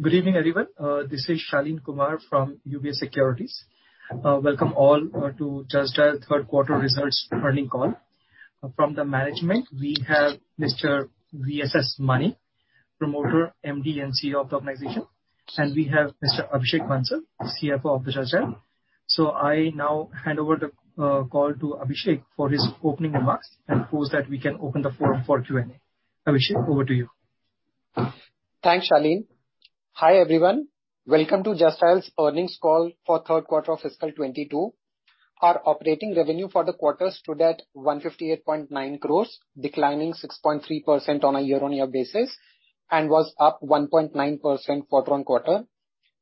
Good evening, everyone. This is Shaleen Kumar from UBS Securities. Welcome all to Just Dial third quarter results earnings call. From the management, we have Mr. V.S.S. Mani, Promoter, MD and CEO of the organization. We have Mr. Abhishek Bansal, CFO of the Just Dial. I now hand over the call to Abhishek for his opening remarks and after that we can open the forum for Q&A. Abhishek, over to you. Thanks, Shaleen. Hi, everyone. Welcome to Just Dial's earnings call for third quarter of fiscal 2022. Our operating revenue for the quarter stood at 158.9 crores, declining 6.3% on a year-on-year basis, and was up 1.9% quarter-on-quarter.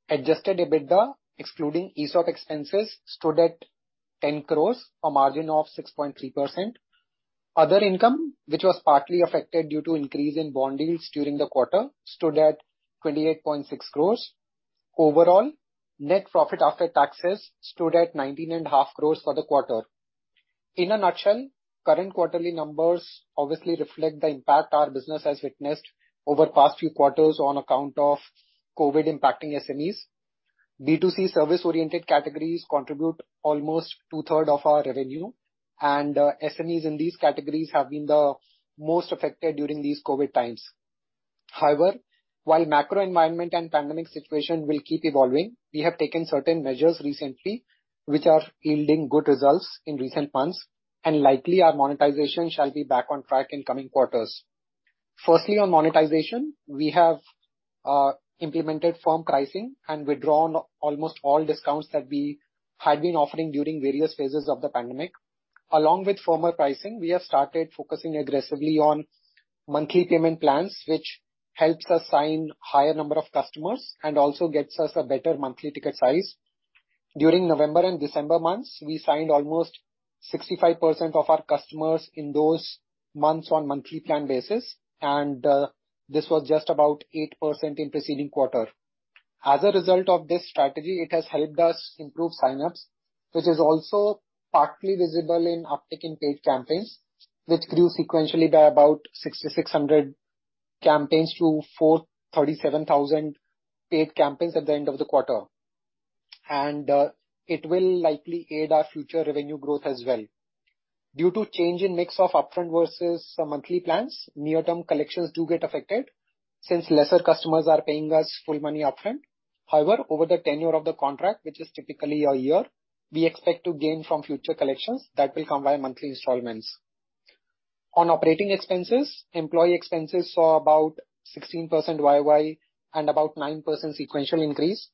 Adjusted EBITDA, excluding ESOP expenses, stood at 10 crores, a margin of 6.3%. Other income, which was partly affected due to increase in bond yields during the quarter, stood at 28.6 crores. Overall, net profit after taxes stood at 19.5 crores for the quarter. In a nutshell, current quarterly numbers obviously reflect the impact our business has witnessed over past few quarters on account of COVID impacting SMEs. B2C service-oriented categories contribute almost 2/3 of our revenue, and SMEs in these categories have been the most affected during these COVID times. However, while macro environment and pandemic situation will keep evolving, we have taken certain measures recently which are yielding good results in recent months, and likely our monetization shall be back on track in coming quarters. Firstly, on monetization, we have implemented firm pricing and withdrawn almost all discounts that we had been offering during various phases of the pandemic. Along with firmer pricing, we have started focusing aggressively on monthly payment plans, which helps us sign higher number of customers and also gets us a better monthly ticket size. During November and December months, we signed almost 65% of our customers in those months on monthly plan basis, and this was just about 8% in preceding quarter. As a result of this strategy, it has helped us improve sign-ups, which is also partly visible in uptick in paid campaigns, which grew sequentially by about 6,600 campaigns to 437,000 paid campaigns at the end of the quarter. It will likely aid our future revenue growth as well. Due to change in mix of upfront versus monthly plans, near-term collections do get affected since lesser customers are paying us full money upfront. However, over the tenure of the contract, which is typically a year, we expect to gain from future collections that will come via monthly installments. On operating expenses, employee expenses saw about 16% YoY and about 9% sequential increase.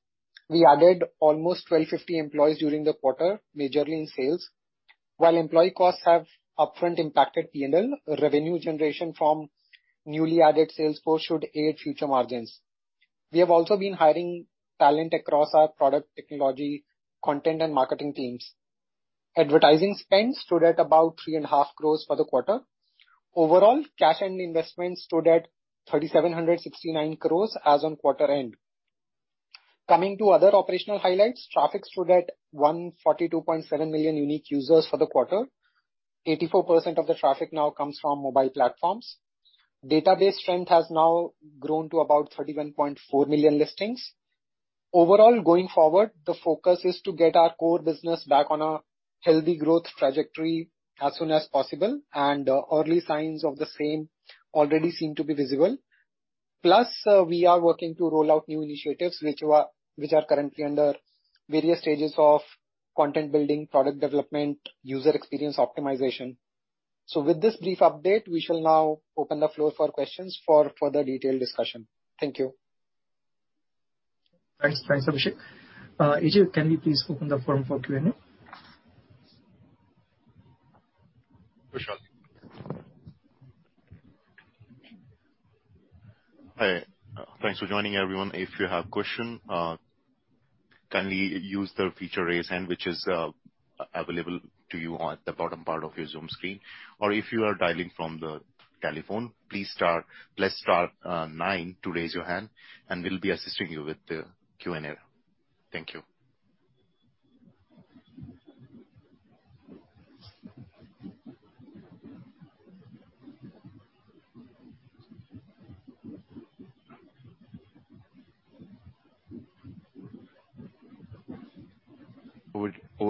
We added almost 1,250 employees during the quarter, majorly in sales. While employee costs have upfront impacted P&L, revenue generation from newly added sales force should aid future margins. We have also been hiring talent across our product technology, content and marketing teams. Advertising spend stood at about 3.5 crores for the quarter. Overall, cash and investments stood at 3,769 crores as on quarter end. Coming to other operational highlights, traffic stood at 142.7 million unique users for the quarter. 84% of the traffic now comes from mobile platforms. Database strength has now grown to about 31.4 million listings. Overall, going forward, the focus is to get our core business back on a healthy growth trajectory as soon as possible, and early signs of the same already seem to be visible. Plus, we are working to roll out new initiatives which are currently under various stages of content building, product development, user experience optimization. With this brief update, we shall now open the floor for questions for further detailed discussion. Thank you. Thanks. Thanks, Abhishek. AJ, can we please open the forum for Q&A? Sure. Hi, thanks for joining, everyone. If you have question, can we use the feature raise hand, which is available to you on the bottom part of your Zoom screen? Or if you are dialing from the telephone, please press star nine to raise your hand, and we'll be assisting you with the Q&A. Thank you.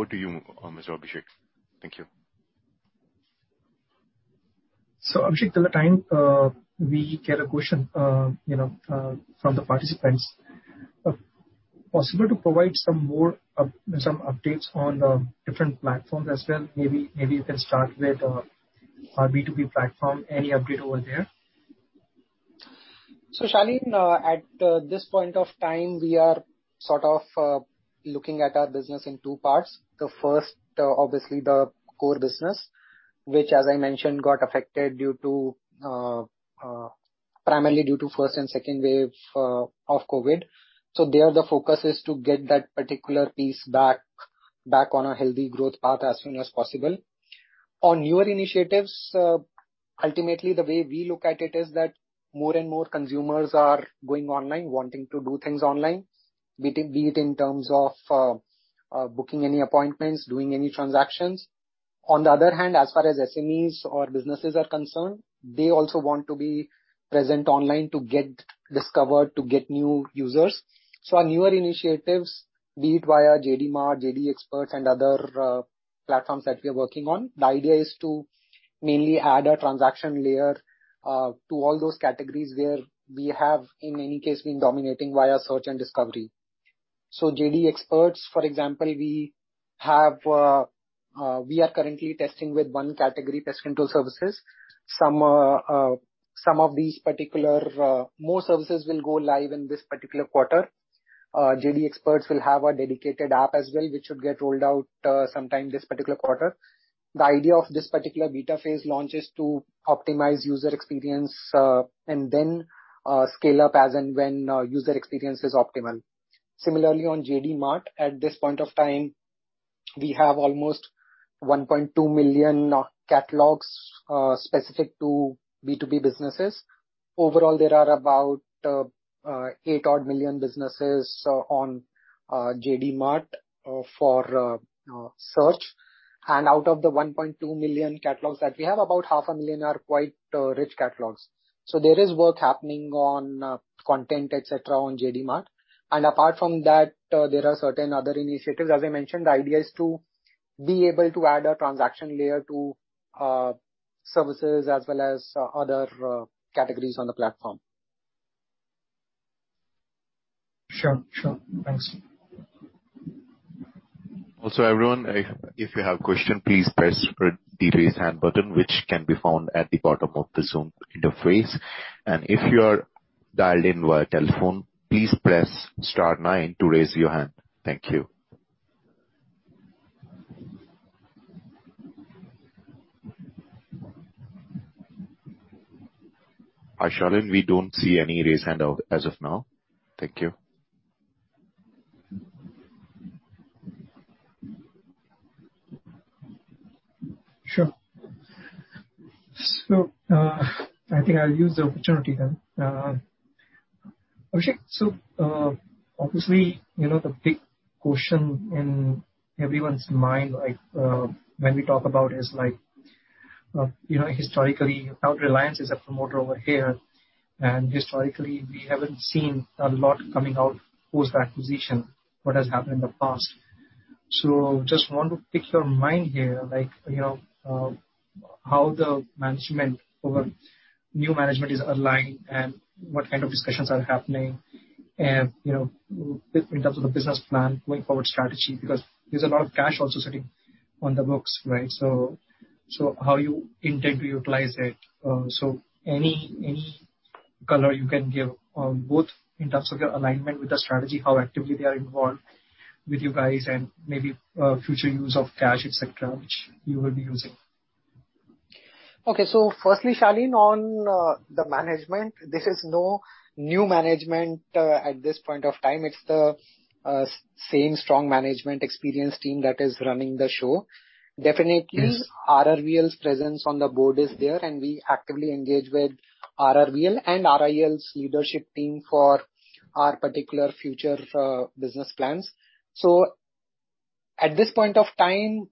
Over to you, Mr. Abhishek. Thank you. Abhishek, till the time we get a question, you know, from the participants, possible to provide some more updates on the different platforms as well? Maybe you can start with our B2B platform. Any update over there? Shaleen, at this point of time, we are sort of looking at our business in two parts. The first, obviously the core business, which, as I mentioned, got affected primarily due to first and second wave of COVID. There the focus is to get that particular piece back on a healthy growth path as soon as possible. On newer initiatives, ultimately, the way we look at it is that more and more consumers are going online, wanting to do things online, be it in terms of booking any appointments, doing any transactions. On the other hand, as far as SMEs or businesses are concerned, they also want to be present online to get discovered, to get new users. Our newer initiatives, be it via JD Mart, JD Xperts, and other platforms that we are working on, the idea is to mainly add a transaction layer to all those categories where we have, in many cases, been dominating via search and discovery. JD Xperts, for example, we are currently testing with one category, pest control services. Some of these particular more services will go live in this particular quarter. JD Xperts will have a dedicated app as well, which should get rolled out sometime this particular quarter. The idea of this particular beta phase launch is to optimize user experience, and then scale up as and when user experience is optimal. Similarly, on JD Mart, at this point of time, we have almost 1.2 million catalogs specific to B2B businesses. Overall, there are about 8 million businesses on JD Mart for search. Out of the 1.2 million catalogs that we have, about half a million are quite rich catalogs. There is work happening on content, etc., on JD Mart. Apart from that, there are certain other initiatives. As I mentioned, the idea is to be able to add a transaction layer to services as well as other categories on the platform. Sure. Thanks. Also everyone, if you have question, please press raise hand button, which can be found at the bottom of the Zoom interface. If you are dialed in via telephone, please press star nine to raise your hand. Thank you. Hi, Shaleen, we don't see any raised hand out as of now. Thank you. Sure. I think I'll use the opportunity then. Abhishek, obviously, you know, the big question in everyone's mind, like, you know, historically how Reliance is a promoter over here, and historically we haven't seen a lot coming out post-acquisition, what has happened in the past. I just want to pick your brain here, like, you know, how the new management is aligned and what kind of discussions are happening and, you know, in terms of the business plan going forward strategy, because there's a lot of cash also sitting on the books, right? How you intend to utilize it. Any color you can give both in terms of the alignment with the strategy, how actively they are involved with you guys, and maybe future use of cash, et cetera, which you will be using. Okay. Firstly, Shaleen, on the management, there is no new management at this point of time. It's the same strong management experienced team that is running the show. Yes. Definitely, RRVL's presence on the board is there, and we actively engage with RRVL and RIL's leadership team for our particular future e-business plans. At this point of time,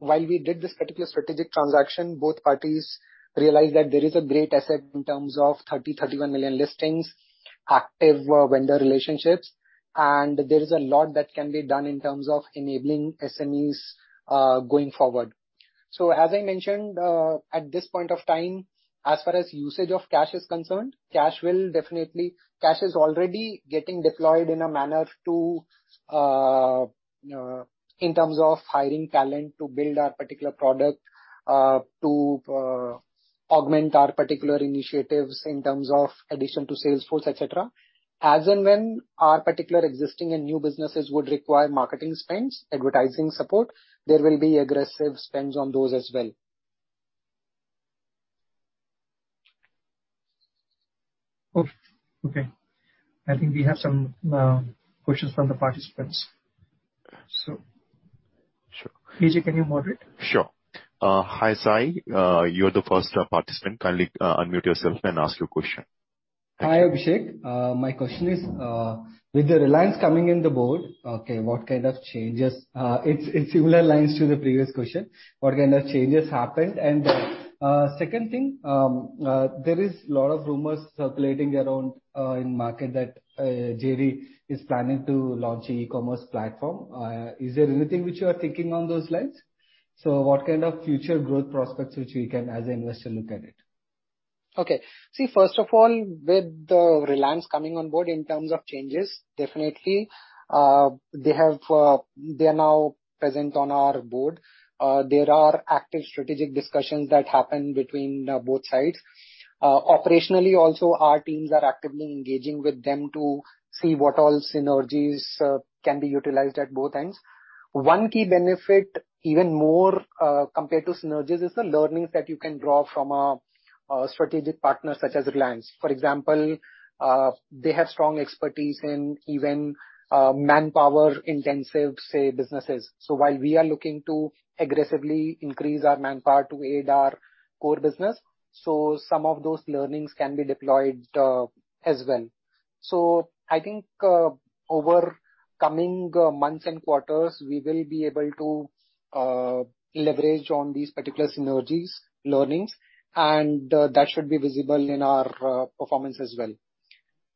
while we did this particular strategic transaction, both parties realized that there is a great asset in terms of 31 million listings, active vendor relationships, and there is a lot that can be done in terms of enabling SMEs, going forward. As I mentioned, at this point of time, as far as usage of cash is concerned, cash is already getting deployed in a manner to, in terms of hiring talent to build our particular product, to augment our particular initiatives in terms of addition to sales force, et cetera. As and when our particular existing and new businesses would require marketing spends, advertising support, there will be aggressive spends on those as well. Okay. I think we have some questions from the participants. Sure. P.J., can you moderate? Sure. Hi, Sahil. You're the first participant. Kindly, unmute yourself and ask your question. Hi, Abhishek. My question is, with the Reliance coming in the board, okay, what kind of changes. It's similar lines to the previous question. What kind of changes happened? Second thing, there is a lot of rumors circulating around in market that JD is planning to launch e-commerce platform. Is there anything which you are thinking on those lines? What kind of future growth prospects which we can, as an investor, look at it? Okay. See, first of all, with the Reliance coming on board in terms of changes, definitely, they are now present on our board. There are active strategic discussions that happen between both sides. Operationally also, our teams are actively engaging with them to see what all synergies can be utilized at both ends. One key benefit, even more compared to synergies, is the learnings that you can draw from a strategic partner such as Reliance. For example, they have strong expertise in even manpower intensive, say, businesses. While we are looking to aggressively increase our manpower to aid our core business, some of those learnings can be deployed, as well. I think, over coming months and quarters, we will be able to leverage on these particular synergies learnings, and that should be visible in our performance as well.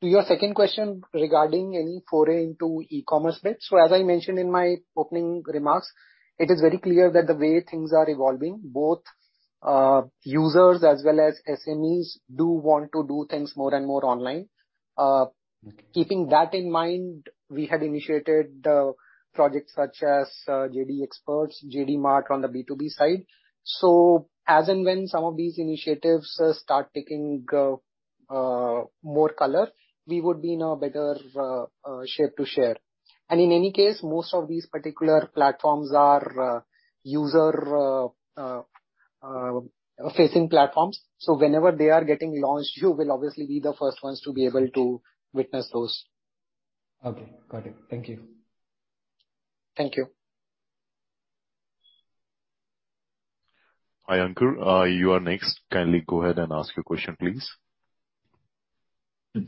To your second question regarding any foray into e-commerce bit. As I mentioned in my opening remarks, it is very clear that the way things are evolving, both users as well as SMEs do want to do things more and more online. Keeping that in mind, we had initiated projects such as JD Xperts, JD Mart on the B2B side. As and when some of these initiatives start taking more color, we would be in a better shape to share. In any case, most of these particular platforms are user facing platforms. Whenever they are getting launched, you will obviously be the first ones to be able to witness those. Okay, got it. Thank you. Thank you. Hi, Ankur. You are next. Kindly go ahead and ask your question, please.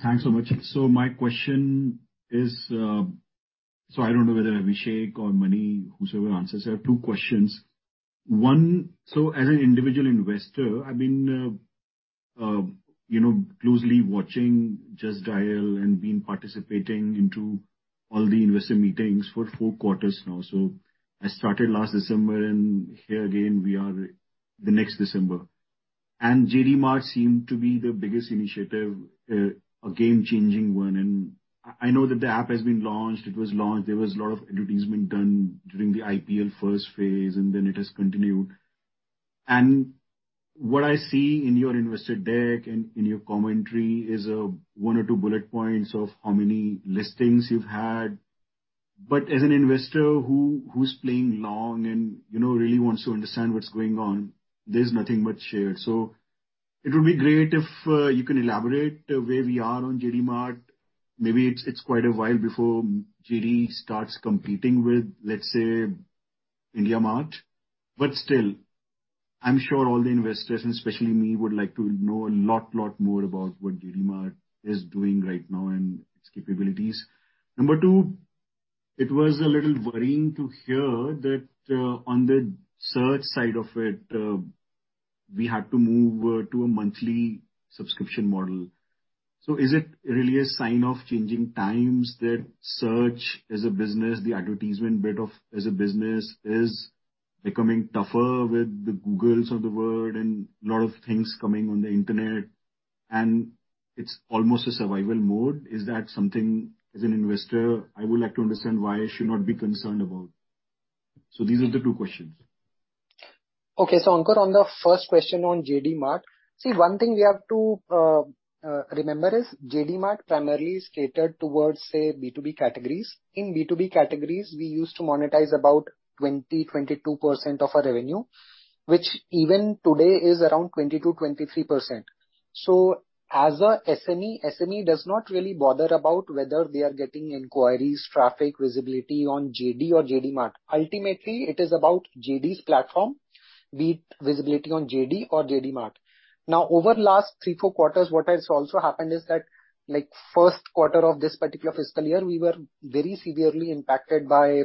Thanks so much. My question is, I don't know whether Abhishek or Mani, whosoever answers. I have two questions. One, as an individual investor, I've been, you know, closely watching Just Dial and been participating into all the investor meetings for four quarters now. I started last December, and here again we are the next December. JD Mart seemed to be the biggest initiative, a game-changing one. I know that the app has been launched. It was launched. There was a lot of advertisement done during the IPL first phase, and then it has continued. What I see in your investor deck and in your commentary is, one or two bullet points of how many listings you've had. As an investor who's playing long and, you know, really wants to understand what's going on, there's nothing much shared. It would be great if you can elaborate where we are on JD Mart. Maybe it's quite a while before JD starts competing with, let's say, IndiaMART. Still, I'm sure all the investors, and especially me, would like to know a lot more about what JD Mart is doing right now and its capabilities. Number two, it was a little worrying to hear that on the search side of it, we had to move to a monthly subscription model. Is it really a sign of changing times that search as a business, the advertisement bit of as a business is becoming tougher with the Googles of the world and lot of things coming on the internet, and it's almost a survival mode? Is that something, as an investor, I would like to understand why I should not be concerned about? These are the two questions. Okay. Ankur, on the first question on JD Mart. See, one thing we have to remember is JD Mart primarily is catered towards, say, B2B categories. In B2B categories, we used to monetize about 20%-22% of our revenue, which even today is around 22%-23%. As an SME does not really bother about whether they are getting inquiries, traffic, visibility on JD or JD Mart. Ultimately, it is about JD's platform, be it visibility on JD or JD Mart. Now, over last three to four quarters, what has also happened is that, like first quarter of this particular fiscal year, we were very severely impacted by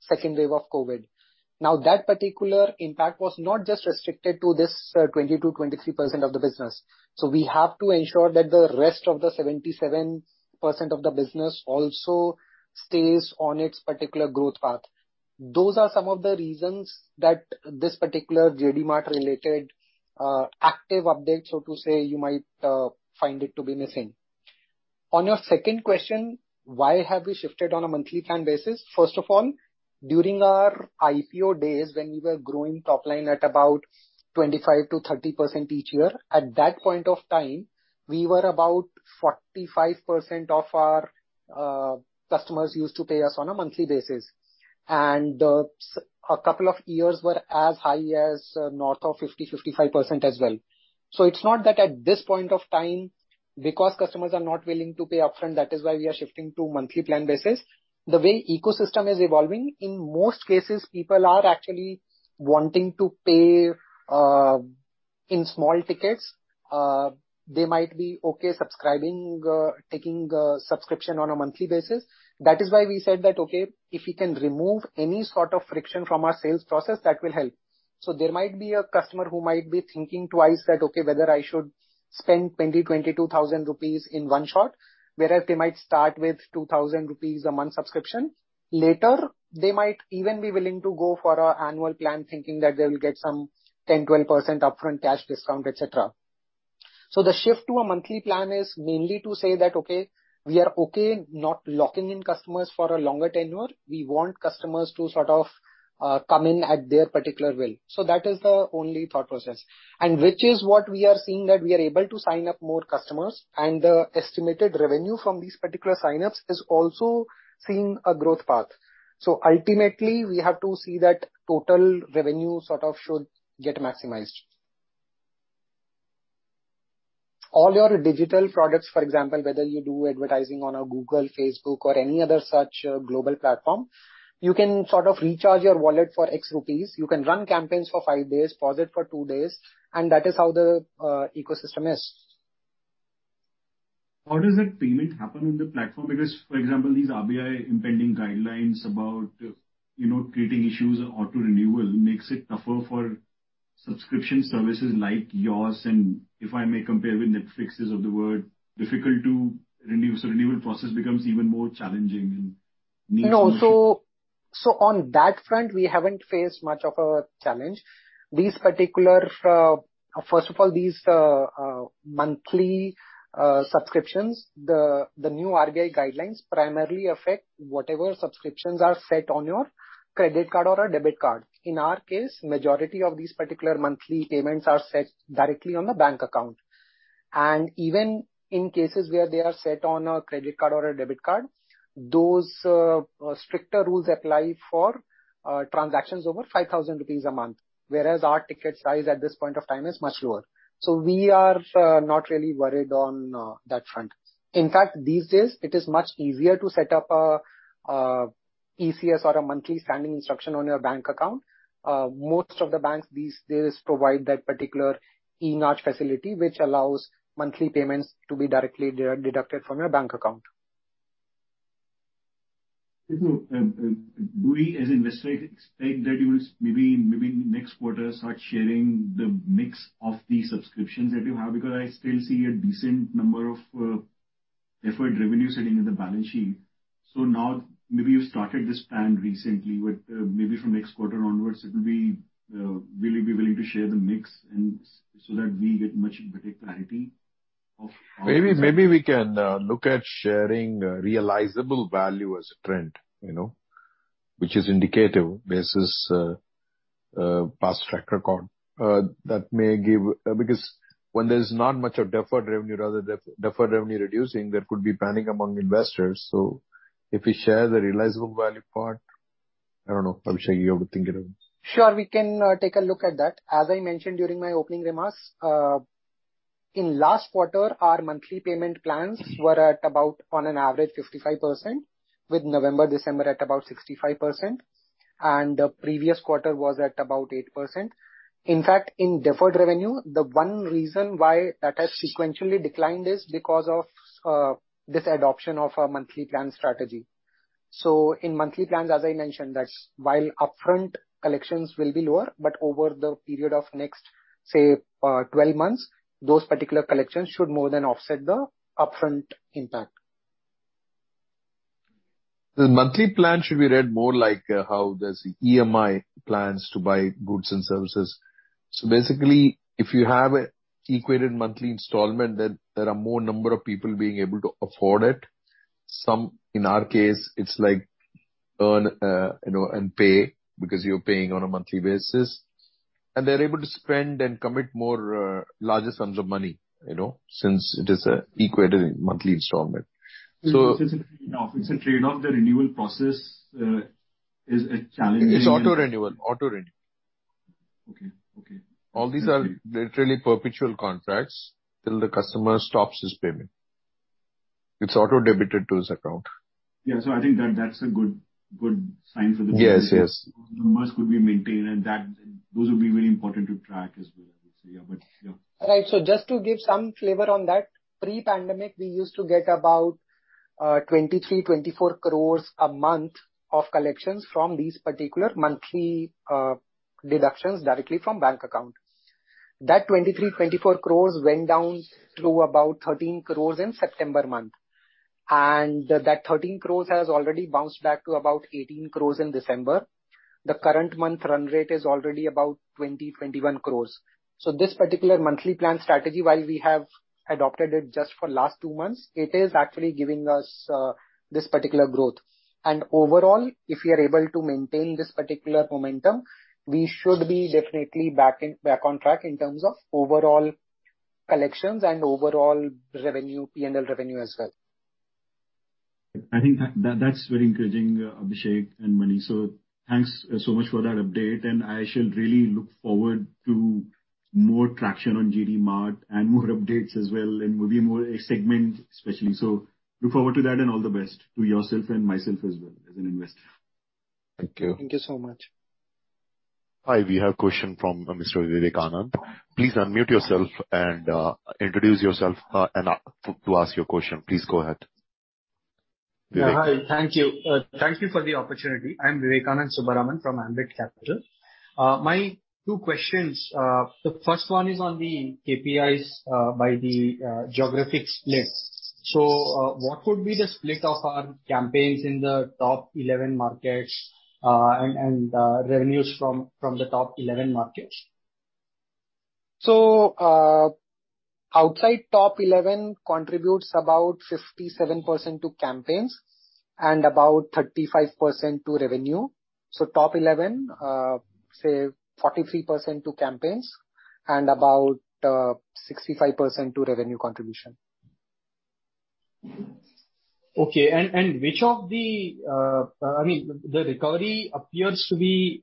second wave of COVID. Now, that particular impact was not just restricted to this 22%-23% of the business. We have to ensure that the rest of the 77% of the business also stays on its particular growth path. Those are some of the reasons that this particular JD Mart related active update, so to say, you might find it to be missing. On your second question, why have we shifted on a monthly plan basis? First of all, during our IPO days, when we were growing top line at about 25%-30% each year, at that point of time, we were about 45% of our customers used to pay us on a monthly basis. A couple of years were as high as north of 50%, 55% as well. It's not that at this point of time because customers are not willing to pay upfront, that is why we are shifting to monthly plan basis. The way ecosystem is evolving, in most cases, people are actually wanting to pay in small tickets. They might be okay subscribing, taking subscription on a monthly basis. That is why we said that, okay, if we can remove any sort of friction from our sales process, that will help. There might be a customer who might be thinking twice that, okay, whether I should spend 22,000 rupees in one shot, whereas they might start with 2,000 rupees a month subscription. Later, they might even be willing to go for a annual plan thinking that they will get some 10%-12% upfront cash discount, et cetera. The shift to a monthly plan is mainly to say that, okay, we are okay not locking in customers for a longer tenure. We want customers to sort of come in at their particular will. That is the only thought process. Which is what we are seeing that we are able to sign up more customers and the estimated revenue from these particular signups is also seeing a growth path. Ultimately, we have to see that total revenue sort of should get maximized. All your digital products, for example, whether you do advertising on a Google, Facebook or any other such global platform, you can sort of recharge your wallet for X rupees. You can run campaigns for five days, pause it for two days, and that is how the ecosystem is. How does that payment happen on the platform? Because, for example, these RBI impending guidelines about, you know, creating issues auto-renewal makes it tougher for subscription services like yours, and if I may compare with Netflix's of the world, difficult to renew. Renewal process becomes even more challenging and needs solution. No. On that front, we haven't faced much of a challenge. These particular. First of all, these monthly subscriptions, the new RBI guidelines primarily affect whatever subscriptions are set on your credit card or a debit card. In our case, majority of these particular monthly payments are set directly on the bank account. Even in cases where they are set on a credit card or a debit card, those stricter rules apply for transactions over 5,000 rupees a month, whereas our ticket size at this point of time is much lower. We are not really worried on that front. In fact, these days it is much easier to set up a ECS or a monthly standing instruction on your bank account. Most of the banks these days provide that particular e-mandate facility which allows monthly payments to be directly deducted from your bank account. Listen, do we as investors expect that you will maybe next quarter start sharing the mix of the subscriptions that you have? Because I still see a decent number of deferred revenue sitting in the balance sheet. Now maybe you started this plan recently, but maybe from next quarter onwards, will you be willing to share the mix and so that we get much clarity of Maybe we can look at sharing realizable value as a trend, you know, which is indicative versus past track record. That may give, because when there's not much of deferred revenue, rather, deferred revenue reducing, there could be panic among investors. If we share the realizable value part. I don't know. Abhishek, you have to think it over. Sure. We can take a look at that. As I mentioned during my opening remarks, in last quarter our monthly payment plans were at about on an average 55%, with November, December at about 65%. The previous quarter was at about 8%. In fact, in deferred revenue, the one reason why that has sequentially declined is because of this adoption of a monthly plan strategy. In monthly plans, as I mentioned, that's while upfront collections will be lower, but over the period of next, say, 12 months, those particular collections should more than offset the upfront impact. The monthly plan should be read more like how does EMI plans to buy goods and services. Basically if you have an equated monthly installment, then there are more number of people being able to afford it. In our case, it's like earn, you know, and pay because you're paying on a monthly basis. They're able to spend and commit more larger sums of money, you know, since it is an equated monthly installment. It's a trade-off. The renewal process is a challenging. It's auto-renewal. Okay. Okay. All these are literally perpetual contracts till the customer stops his payment. It's auto-debited to his account. Yeah. I think that's a good sign for the business. Yes, yes. Numbers could be maintained and that, those will be really important to track as well, I would say. Yeah. Yeah. Right. Just to give some flavor on that, pre-pandemic we used to get about 23 crore-24 crore a month of collections from these particular monthly deductions directly from bank accounts. That 23 crore-24 crore went down to about 13 crore in September month. That 13 crore has already bounced back to about 18 crore in December. The current month run rate is already about 20 crore-21 crore. This particular monthly plan strategy, while we have adopted it just for last two months, it is actually giving us this particular growth. Overall, if we are able to maintain this particular momentum, we should be definitely back in, back on track in terms of overall collections and overall revenue, P&L revenue as well. I think that's very encouraging, Abhishek and Mani. Thanks so much for that update. I shall really look forward to more traction on JD Mart and more updates as well, and maybe more segment especially. Look forward to that, and all the best to yourself and myself as well as an investor. Thank you. Thank you so much. Hi. We have a question from Mr. Vivekanand. Please unmute yourself and introduce yourself and to ask your question. Please go ahead. Hi. Thank you. Thank you for the opportunity. I'm Vivekanand Subbaraman from Ambit Capital. My two questions, the first one is on the KPIs by the geographic split. What would be the split of our campaigns in the top 11 markets and revenues from the top 11 markets? Outside top eleven contributes about 57% to campaigns and about 35% to revenue. Top eleven, say 43% to campaigns and about 65% to revenue contribution. Okay. Which of the, I mean, the recovery appears to be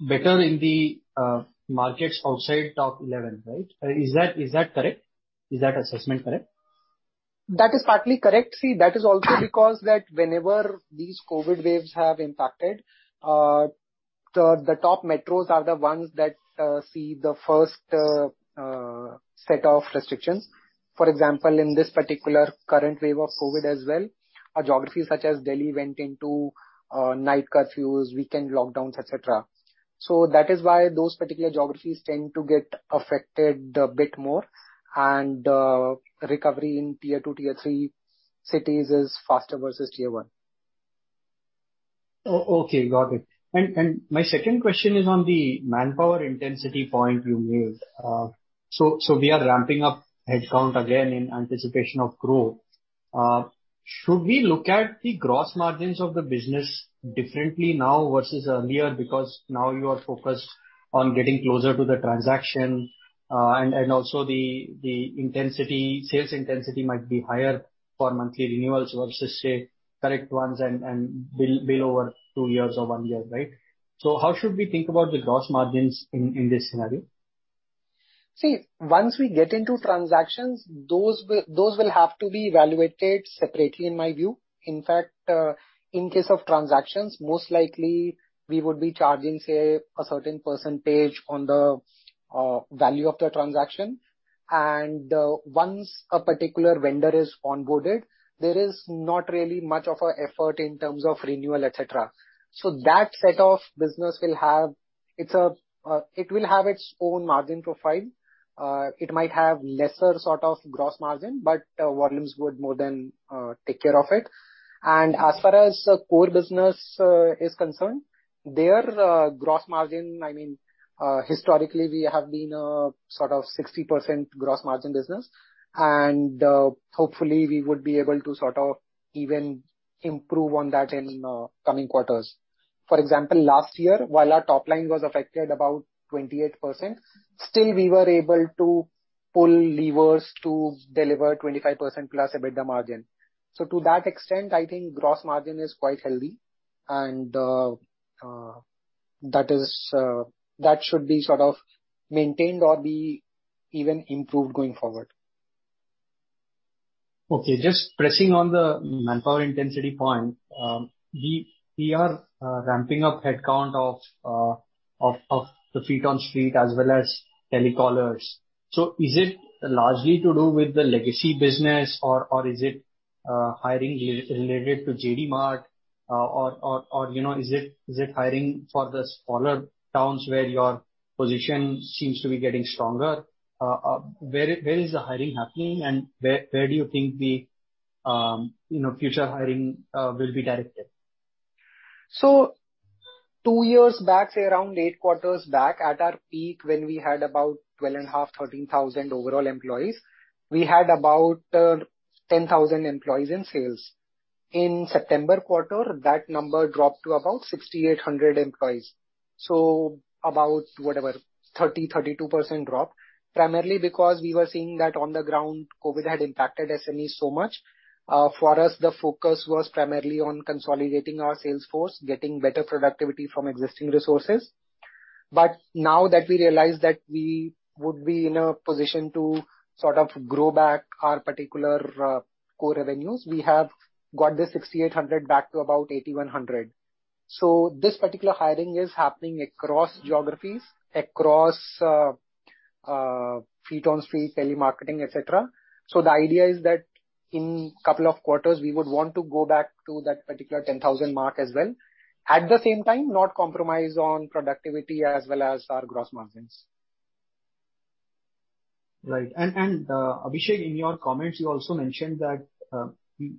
better in the markets outside top eleven, right? Is that correct? Is that assessment correct? That is partly correct. See, that is also because whenever these COVID waves have impacted, the top metros are the ones that see the first set of restrictions. For example, in this particular current wave of COVID as well, our geographies such as Delhi went into night curfews, weekend lockdowns, et cetera. That is why those particular geographies tend to get affected a bit more, and recovery in tier two, tier three cities is faster versus tier one. Okay, got it. My second question is on the manpower intensity point you made. So we are ramping up headcount again in anticipation of growth. Should we look at the gross margins of the business differently now versus earlier? Because now you are focused on getting closer to the transaction, and also the intensity, sales intensity might be higher for monthly renewals versus, say, contract ones and bill over two years or one year, right? How should we think about the gross margins in this scenario? See, once we get into transactions, those will have to be evaluated separately, in my view. In fact, in case of transactions, most likely we would be charging, say, a certain percentage on the value of the transaction. Once a particular vendor is onboarded, there is not really much of an effort in terms of renewal, et cetera. That set of business will have its own margin profile. It might have lesser sort of gross margin, but volumes would more than take care of it. As far as the core business is concerned, gross margin, I mean, historically we have been a sort of 60% gross margin business, and hopefully we would be able to sort of even improve on that in coming quarters. For example, last year, while our top line was affected about 28%, still we were able to pull levers to deliver 25%+ EBITDA margin. To that extent, I think gross margin is quite healthy and, that is, that should be sort of maintained or be even improved going forward. Okay. Just pressing on the manpower intensity point, we are ramping up headcount of the feet on street as well as telecallers. Is it largely to do with the legacy business or is it hiring related to JD Mart? You know, is it hiring for the smaller towns where your position seems to be getting stronger? Where is the hiring happening and where do you think the future hiring will be directed? Two years back, say around eight quarters back, at our peak when we had about 12.5, 13,000 overall employees, we had about 10,000 employees in sales. In September quarter, that number dropped to about 6,800 employees. About, whatever, 30%, 32% drop, primarily because we were seeing that on the ground COVID had impacted SME so much. For us, the focus was primarily on consolidating our sales force, getting better productivity from existing resources. Now that we realize that we would be in a position to sort of grow back our particular core revenues, we have got the 6,800 back to about 8,100. This particular hiring is happening across geographies, across feet on street, telemarketing, et cetera. The idea is that in a couple of quarters we would want to go back to that particular 10,000 mark as well. At the same time, not compromise on productivity as well as our gross margins. Right. Abhishek, in your comments you also mentioned that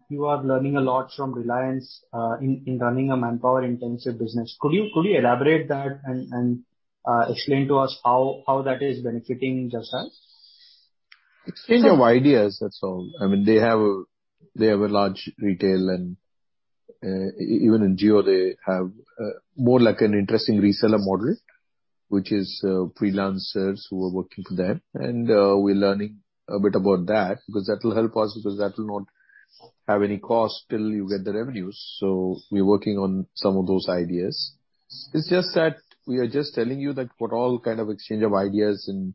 you are learning a lot from Reliance in running a manpower-intensive business. Could you elaborate that and explain to us how that is benefiting Just Dial? Exchange of ideas, that's all. I mean, they have a large retail and even in Jio, they have more like an interesting reseller model, which is freelancers who are working for them. We're learning a bit about that because that will help us because that will not have any cost till you get the revenues. We're working on some of those ideas. It's just that we are just telling you that what all kind of exchange of ideas and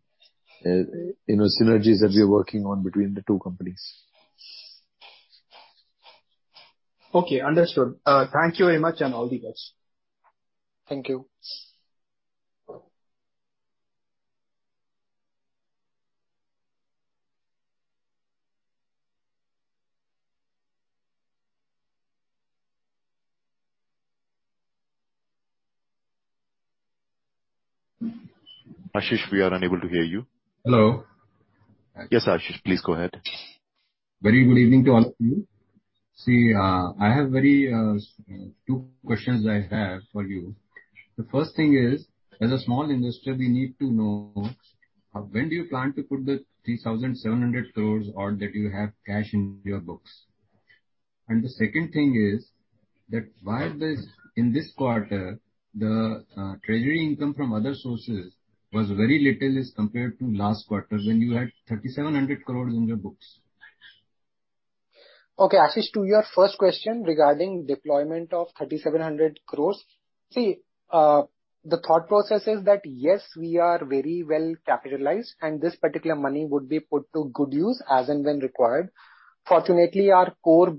you know, synergies that we are working on between the two companies. Okay. Understood. Thank you very much, and all the best. Thank you. Ashish, we are unable to hear you. Hello. Yes, Ashish, please go ahead. Very good evening to all of you. See, I have two questions I have for you. The first thing is, as a small investor, we need to know when do you plan to put the 3,700 crores of the cash that you have in your books? The second thing is that why, in this quarter, the treasury income from other sources was very little as compared to last quarter when you had 3,700 crores in your books. Okay, Ashish, to your first question regarding deployment of 3,700 crores. See, the thought process is that, yes, we are very well capitalized, and this particular money would be put to good use as and when required. Fortunately, our core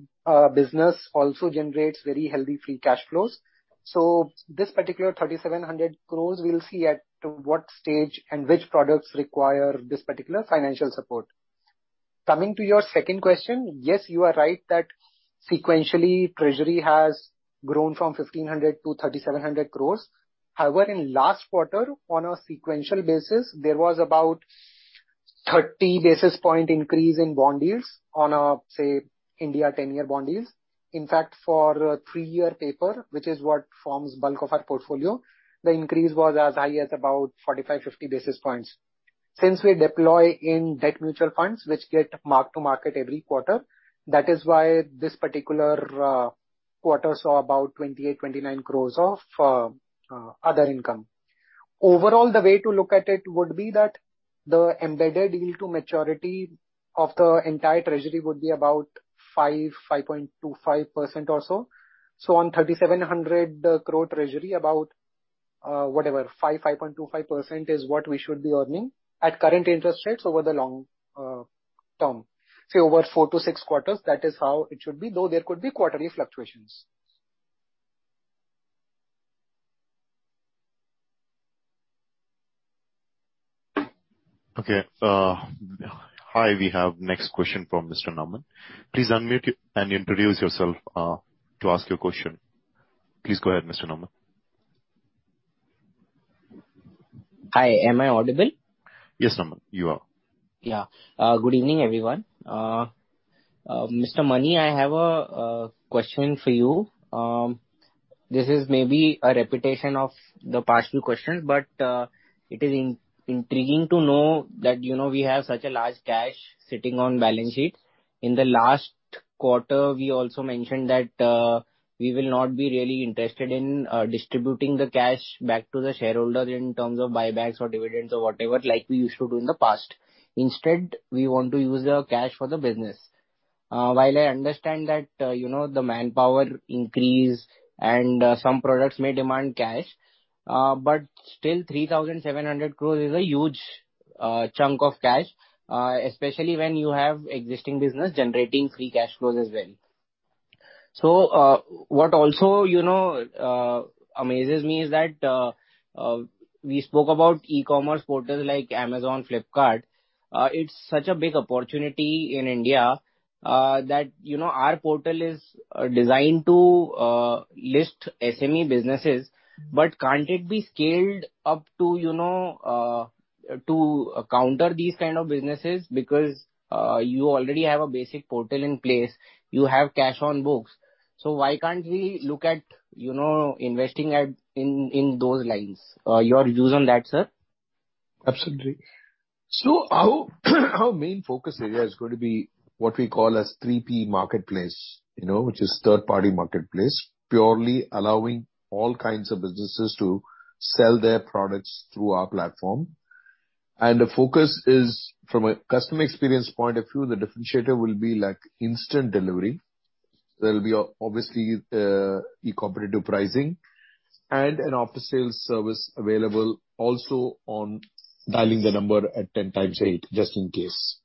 business also generates very healthy free cash flows. So this particular 3,700 crores, we'll see as to what stage and which products require this particular financial support. Coming to your second question, yes, you are right that sequentially Treasury has grown from 1,500 crores-3,700 crores. However, in last quarter, on a sequential basis, there was about 30 basis points increase in bond yields on a, say, India 10 year bond yields. In fact, for a three year paper, which is what forms bulk of our portfolio, the increase was as high as about 45 basis points-50 basis points. Since we deploy in debt mutual funds which get mark-to-market every quarter, that is why this particular quarter saw about 28 crores-29 crores of other income. Overall, the way to look at it would be that the embedded yield to maturity of the entire treasury would be about 5.25% or so. On 3,700 crores treasury about whatever 5.25% is what we should be earning at current interest rates over the long term. Say over four to six quarters, that is how it should be, though there could be quarterly fluctuations. Okay. Hi. We have next question from Mr. Naman. Please unmute and introduce yourself to ask your question. Please go ahead, Mr. Naman. Hi, am I audible? Yes, Naman, you are. Yeah. Good evening, everyone. Mr. Mani, I have a question for you. This is maybe a repetition of the past two questions, but it is intriguing to know that, you know, we have such a large cash sitting on balance sheet. In the last quarter, we also mentioned that we will not be really interested in distributing the cash back to the shareholders in terms of buybacks or dividends or whatever, like we used to do in the past. Instead, we want to use the cash for the business. While I understand that, you know, the manpower increase and some products may demand cash, but still 3,700 crores is a huge chunk of cash, especially when you have existing business generating free cash flows as well. What also, you know, amazes me is that we spoke about e-commerce portals like Amazon, Flipkart. It's such a big opportunity in India that, you know, our portal is designed to list SME businesses. But can't it be scaled up to, you know, to counter these kind of businesses? Because you already have a basic portal in place. You have cash on books, so why can't we look at, you know, investing in those lines? Your views on that, sir. Absolutely. Our main focus area is going to be what we call a 3P marketplace, you know, which is third-party marketplace, purely allowing all kinds of businesses to sell their products through our platform. The focus is from a customer experience point of view, the differentiator will be like instant delivery. There'll be obviously competitive pricing and an after-sales service available also on dialing the number at 10 8's, just in case.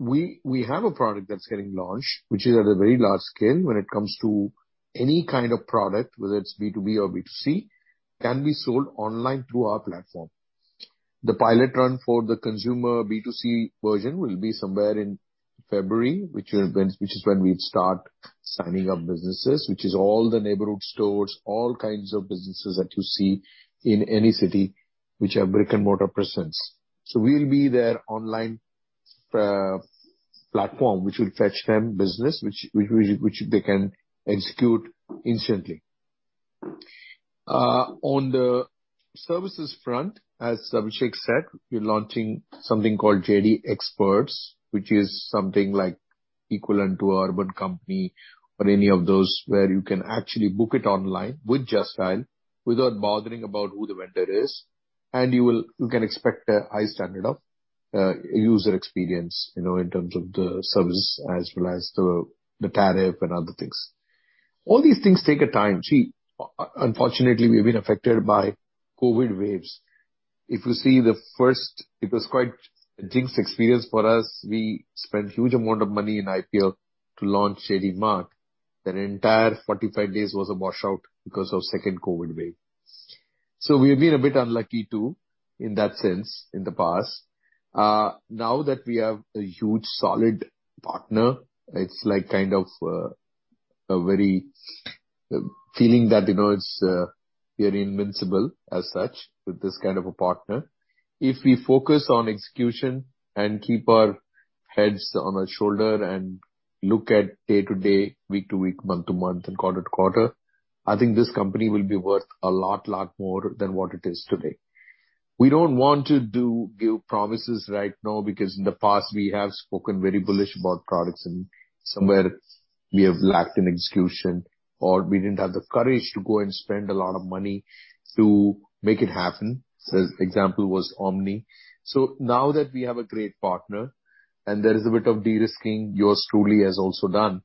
We have a product that's getting launched which is at a very large scale when it comes to any kind of product, whether it's B2B or B2C, can be sold online through our platform. The pilot run for the consumer B2C version will be somewhere in February, which is when we'll start signing up businesses, which is all the neighborhood stores, all kinds of businesses that you see in any city which have brick-and-mortar presence. We'll be their online platform, which will fetch them business which they can execute instantly. On the services front, as Abhishek said, we're launching something called JD Xperts, which is something like equivalent to Urban Company or any of those where you can actually book it online with Just Dial without bothering about who the vendor is. You can expect a high standard of user experience, you know, in terms of the service as well as the tariff and other things. All these things take a time. Unfortunately, we've been affected by COVID waves. If you see the first, it was quite a jinx experience for us. We spent huge amount of money in IPO to launch JD Mart. Entire 45 days was a washout because of second COVID wave. We've been a bit unlucky too, in that sense, in the past. Now that we have a huge solid partner, it's like kind of, a very, feeling that, you know, it's, we are invincible as such with this kind of a partner. If we focus on execution and keep our heads on our shoulder and look at day to day, week to week, month to month, and quarter to quarter, I think this company will be worth a lot more than what it is today. We don't want to give promises right now, because in the past we have spoken very bullish about products and somewhere it's, we have lacked in execution, or we didn't have the courage to go and spend a lot of money to make it happen. Example was Omni. Now that we have a great partner, and there is a bit of de-risking yours truly has also done.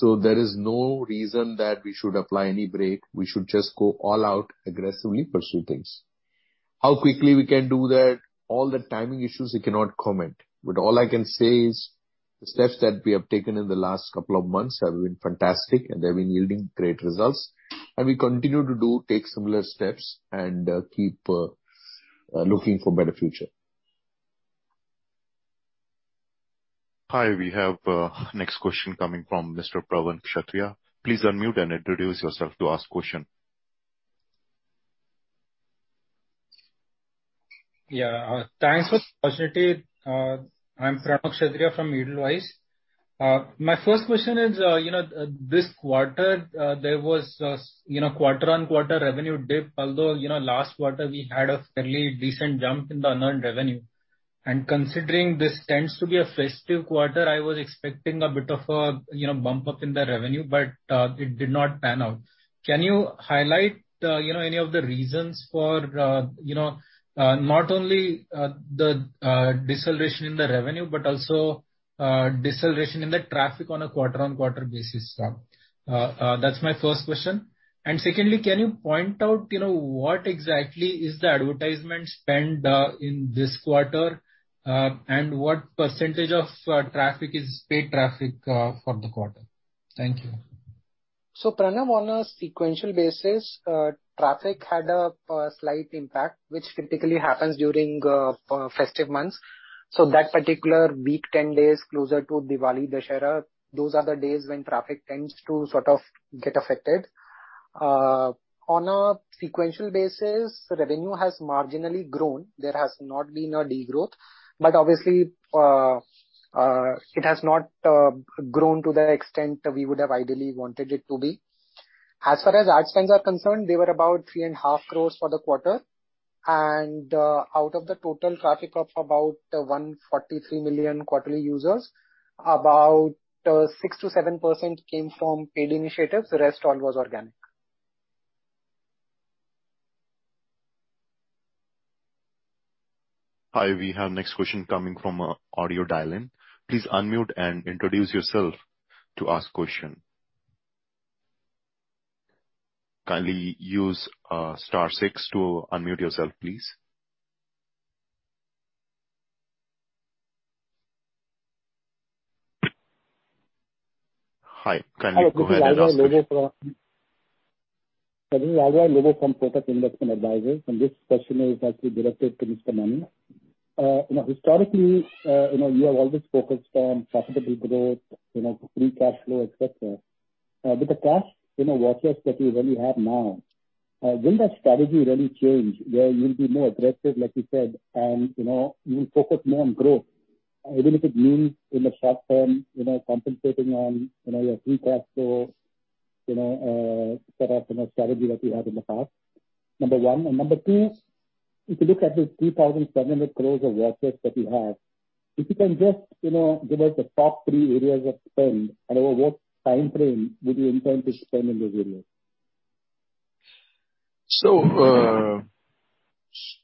There is no reason that we should apply any brake. We should just go all out aggressively pursue things. How quickly we can do that, all the timing issues, we cannot comment. All I can say is the steps that we have taken in the last couple of months have been fantastic, and they've been yielding great results. We continue to take similar steps and keep looking for better future. Hi. We have next question coming from Mr. Pranav Kshatriya. Please unmute and introduce yourself to ask question. Thanks for the opportunity. I'm Pranav Kshatriya from Edelweiss. My first question is, you know, this quarter, there was, you know, quarter-on-quarter revenue dip, although, you know, last quarter we had a fairly decent jump in the non-core revenue. Considering this tends to be a festive quarter, I was expecting a bit of a, you know, bump up in the revenue, but it did not pan out. Can you highlight, you know, any of the reasons for, you know, not only the deceleration in the revenue but also deceleration in the traffic on a quarter-on-quarter basis? That's my first question. Secondly, can you point out, you know, what exactly is the advertisement spend in this quarter, and what percentage of traffic is paid traffic for the quarter? Thank you. Pranav, on a sequential basis, traffic had a slight impact, which typically happens during festive months. That particular week, 10 days closer to Diwali, Dussehra, those are the days when traffic tends to sort of get affected. On a sequential basis, revenue has marginally grown. There has not been a degrowth. Obviously, it has not grown to the extent that we would have ideally wanted it to be. As far as ad spends are concerned, they were about 3.5 crores for the quarter. Out of the total traffic of about 143 million quarterly users, about 6%-7% came from paid initiatives. The rest all was organic. Hi, we have next question coming from audio dial-in. Please unmute and introduce yourself to ask question. Kindly use star six to unmute yourself, please. Hi. Kindly go ahead and ask the- This is Rajan Levo from Prudent Investment Advisors, and this question is actually directed to Mr. Mani. You know, historically, you know, you have always focused on profitable growth, you know, free cash flow, et cetera. The cash, you know, war chest that you really have now, will that strategy really change, where you'll be more aggressive, like you said, and, you know, you'll focus more on growth, even if it means in the short term, you know, compensating on, you know, your free cash flow, you know, sort of, you know, strategy that you had in the past? Number one. Number two, if you look at the 3,700 crores war chest that you have, if you can just, you know, give us the top three areas of spend and over what timeframe would you intend to spend in those areas?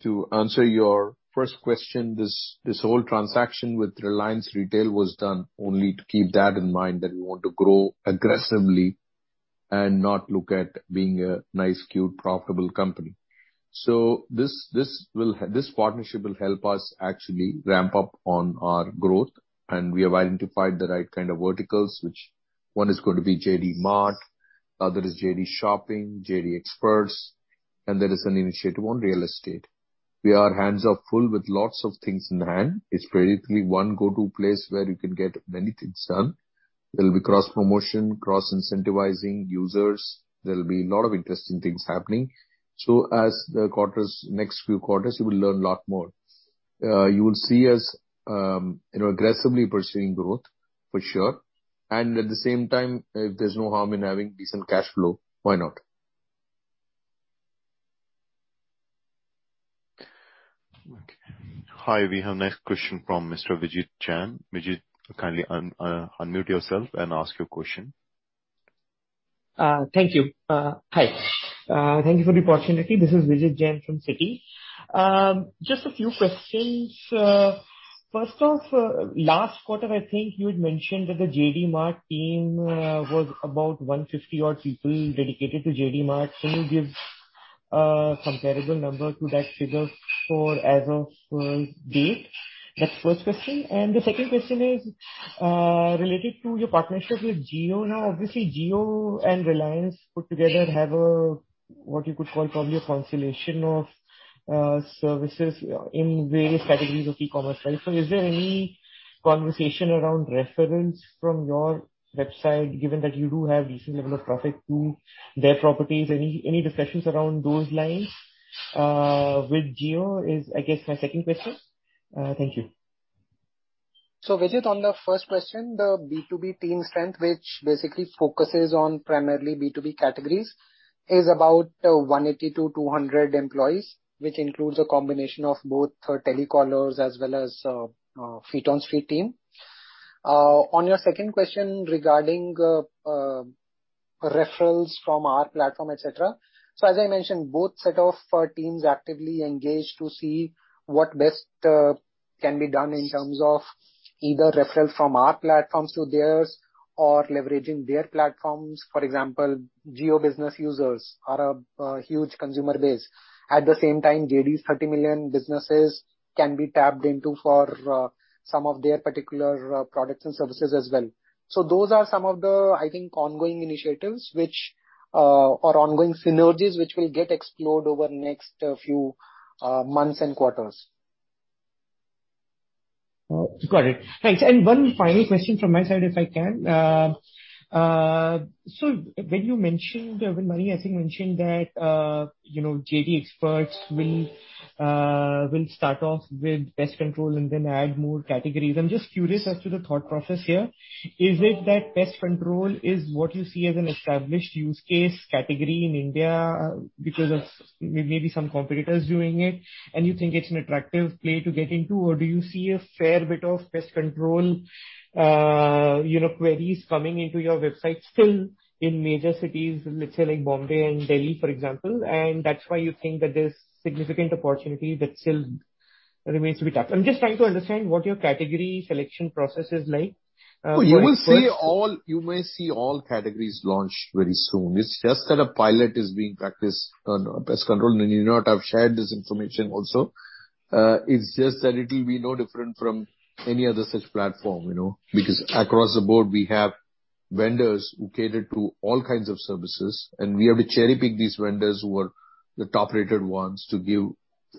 To answer your first question, this whole transaction with Reliance Retail was done only to keep that in mind, that we want to grow aggressively and not look at being a nice, cute, profitable company. This partnership will help us actually ramp up on our growth, and we have identified the right kind of verticals, which one is going to be JD Mart, other is JD Shopping, JD Xperts, and there is an initiative on real estate. Our hands are full with lots of things in hand. It's basically one go-to place where you can get many things done. There'll be cross-promotion, cross-incentivizing users. There'll be a lot of interesting things happening. In the next few quarters, you will learn a lot more. You will see us, you know, aggressively pursuing growth for sure. At the same time, there's no harm in having decent cash flow. Why not? Okay. Hi. We have next question from Mr. Vijit Jain. Vijit, kindly unmute yourself and ask your question. Thank you. Hi. Thank you for the opportunity. This is Vijit Jain from Citi. Just a few questions. First off, last quarter, I think you had mentioned that the JD Mart team was about 150 odd people dedicated to JD Mart. Can you give a comparable number to that figure for as of date? That's the first question. The second question is related to your partnership with Jio. Now, obviously, Jio and Reliance put together have a, what you could call probably a constellation of services in various categories of e-commerce, right? So is there any conversation around reference from your website, given that you do have decent level of traffic to their properties? Any discussions around those lines with Jio is, I guess, my second question. Thank you. Vijit, on the first question, the B2B team strength, which basically focuses on primarily B2B categories, is about 180-200 employees, which includes a combination of both telecallers as well as feet on street team. On your second question regarding referrals from our platform, et cetera. As I mentioned, both set of teams actively engaged to see what best can be done in terms of either referrals from our platforms to theirs or leveraging their platforms. For example, Jio business users are a huge consumer base. At the same time, JD's 30 million businesses can be tapped into for some of their particular products and services as well. Those are some of the, I think, ongoing initiatives which or ongoing synergies which will get explored over the next few months and quarters. Got it. Thanks. One final question from my side, if I can. When Mani, I think, mentioned that, you know, JD Xperts will start off with pest control and then add more categories, I'm just curious as to the thought process here. Is it that pest control is what you see as an established use case category in India because of maybe some competitors doing it and you think it's an attractive play to get into, or do you see a fair bit of pest control, you know, queries coming into your website still in major cities, let's say like Bombay and Delhi, for example, and that's why you think that there's significant opportunity that still remains to be tapped? I'm just trying to understand what your category selection process is like, You may see all categories launched very soon. It's just that a pilot is being practiced on pest control. You know what? I've shared this information also. It's just that it will be no different from any other such platform, you know. Because across the board, we have vendors who cater to all kinds of services, and we have to cherry-pick these vendors who are the top-rated ones to give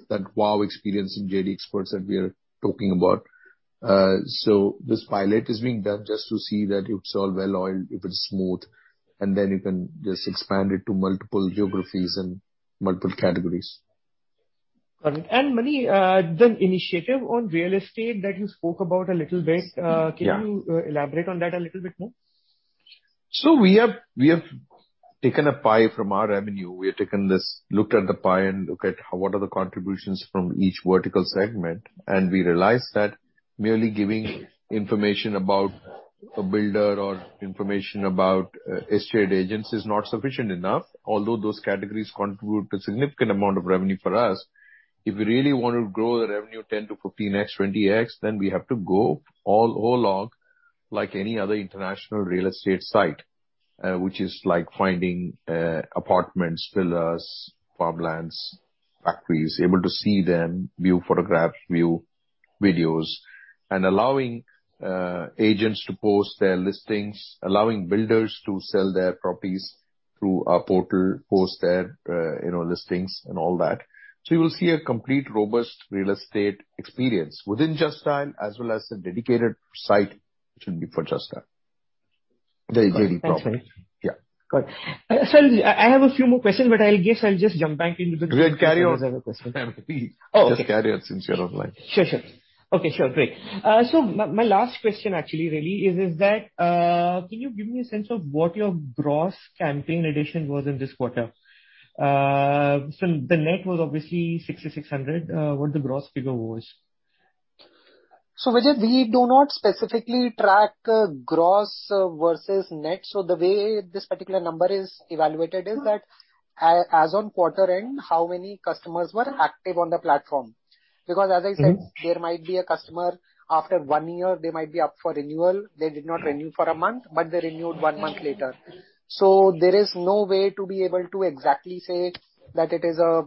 that wow experience in JD Xperts that we are talking about. This pilot is being done just to see that it's all well-oiled, if it's smooth, and then you can just expand it to multiple geographies and multiple categories. Got it. Mani, the initiative on real estate that you spoke about a little bit, Yeah. Can you elaborate on that a little bit more? We have taken a pie from our revenue. We have taken this, looked at the pie and look at how what are the contributions from each vertical segment. We realized that merely giving information about a builder or information about estate agents is not sufficient enough, although those categories contribute a significant amount of revenue for us. If we really want to grow the revenue 10x-15x, 20x, then we have to go all along like any other international real estate site, which is like finding apartments, villas, farmlands, factories, able to see them, view photographs, view videos, and allowing agents to post their listings, allowing builders to sell their properties through our portal, post their you know listings and all that. You will see a complete, robust real estate experience within Just Dial as well as a dedicated site which will be for Just Dial. The JD Prop. Thanks, Mani. Yeah. Got it. Sanjeev, I have a few more questions, but I guess I'll just jump back into the You can carry on. Question and answer session. Please. Oh, okay. Just carry on since you're online. My last question actually really is that, can you give me a sense of what your gross campaign addition was in this quarter? The net was obviously 6,600. What the gross figure was. Vijat, we do not specifically track gross versus net. The way this particular number is evaluated is that as on quarter end, how many customers were active on the platform. Because as I said, there might be a customer, after one year they might be up for renewal. They did not renew for a month, but they renewed one month later. There is no way to be able to exactly say that it is a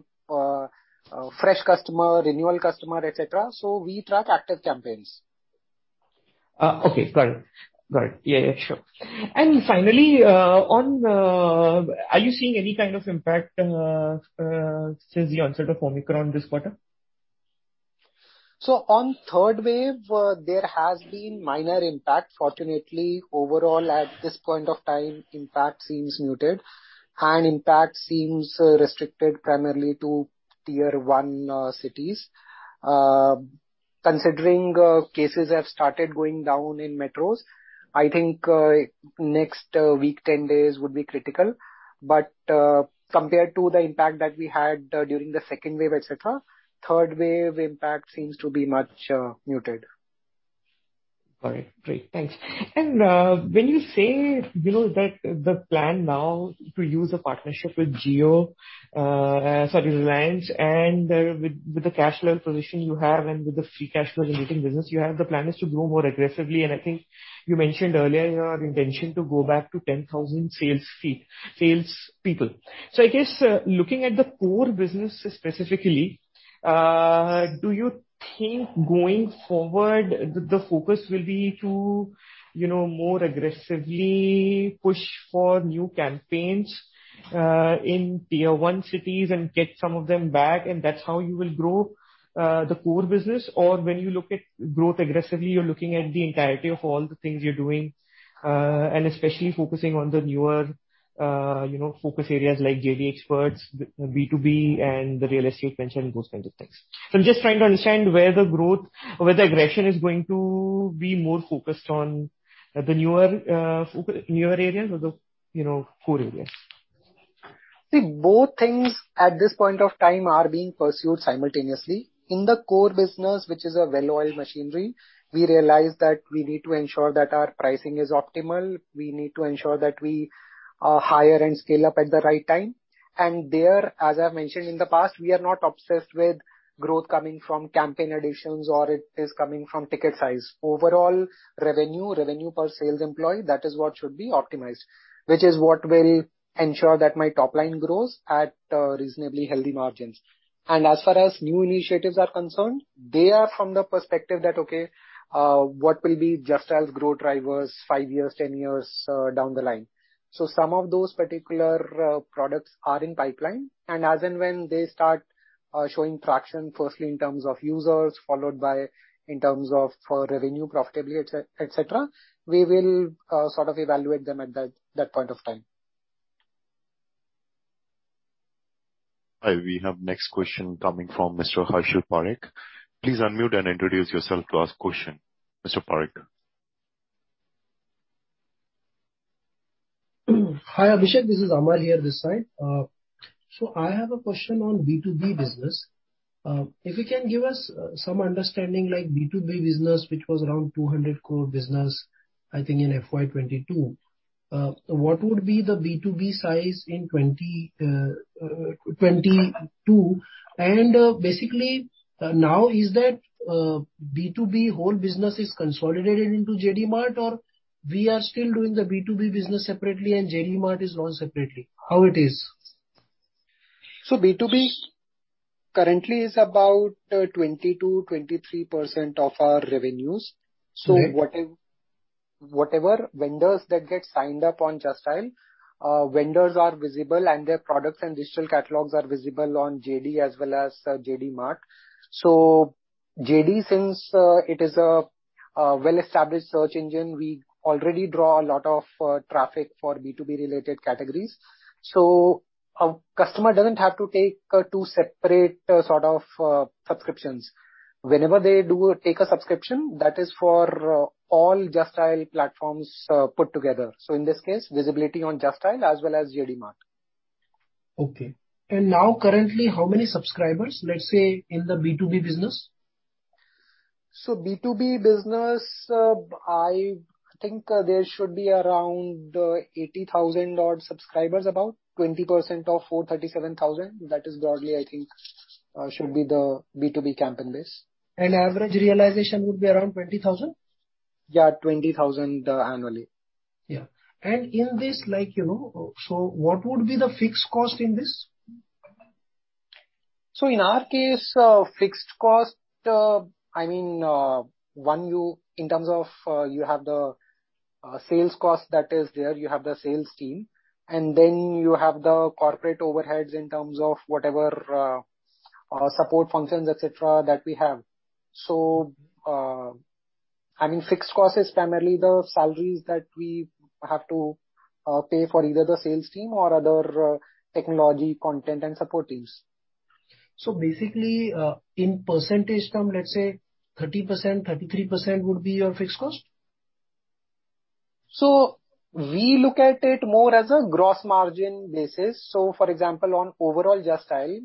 fresh customer, renewal customer, et cetera. We track active campaigns. Okay. Got it. Yeah, sure. Finally, are you seeing any kind of impact since the onset of Omicron this quarter? On third wave, there has been minor impact. Fortunately, overall, at this point of time, impact seems muted, and impact seems restricted primarily to tier-one cities. Considering cases have started going down in metros, I think next week, 10 days would be critical. Compared to the impact that we had during the second wave, et cetera, third wave impact seems to be much muted. All right, great. Thanks. When you say you know that the plan now to use a partnership with Jio, sorry, Reliance, and with the cash flow position you have and with the free cash flow generating business you have, the plan is to grow more aggressively. I think you mentioned earlier your intention to go back to 10,000 salespeople. I guess, looking at the core business specifically, do you think going forward, the focus will be to, you know, more aggressively push for new campaigns in tier-one cities and get some of them back, and that's how you will grow the core business? When you look at growth aggressively, you're looking at the entirety of all the things you're doing, and especially focusing on the newer, you know, focus areas like JD Xperts, B2B and the real estate venture and those kinds of things. I'm just trying to understand where the growth or where the aggression is going to be more focused on, the newer areas or the, you know, core areas. See, both things at this point of time are being pursued simultaneously. In the core business, which is a well-oiled machinery, we realize that we need to ensure that our pricing is optimal. We need to ensure that we hire and scale up at the right time. There, as I've mentioned in the past, we are not obsessed with growth coming from campaign additions or it is coming from ticket size. Overall revenue per sales employee, that is what should be optimized, which is what will ensure that my top line grows at reasonably healthy margins. As far as new initiatives are concerned, they are from the perspective that, okay, what will be Just Dial's growth drivers five years, 10 years down the line. Some of those particular products are in pipeline, and as in when they start showing traction, firstly in terms of users, followed by in terms of for revenue profitability, et cetera, we will sort of evaluate them at that point of time. Hi. We have next question coming from Mr. Harshal Parekh. Please unmute and introduce yourself to ask your question. Mr. Parekh. Hi, Abhishek. This is Amar here this side. I have a question on B2B business. If you can give us some understanding, like B2B business which was around 200 crore business, I think in FY 2022. What would be the B2B size in 2022? Basically, now is that B2B whole business is consolidated into JD Mart, or we are still doing the B2B business separately and JD Mart is run separately? How it is. B2B currently is about 20%-23% of our revenues. Okay. Whatever vendors that get signed up on Just Dial are visible and their products and digital catalogs are visible on JD as well as JD Mart. JD, since it is a well-established search engine, we already draw a lot of traffic for B2B related categories. A customer doesn't have to take two separate sort of subscriptions. Whenever they do take a subscription, that is for all Just Dial platforms put together. In this case, visibility on Just Dial as well as JD Mart. Okay. Now currently, how many subscribers, let's say, in the B2B business? B2B business, I think, there should be around 80,000 odd subscribers, about. 20% of 437,000. That is broadly, I think, should be the B2B campaign base. Average realization would be around 20,000 crores? Yeah, 20,000 crores annually. Yeah. In this, like, you know, what would be the fixed cost in this? In our case, fixed cost, I mean, in terms of, you have the sales cost that is there, you have the sales team, and then you have the corporate overheads in terms of whatever, support functions, et cetera, that we have. Fixed cost is primarily the salaries that we have to pay for either the sales team or other technology, content and support teams. Basically, in percentage term, let's say 30%, 33% would be your fixed cost? We look at it more as a gross margin basis. For example, on overall Just Dial,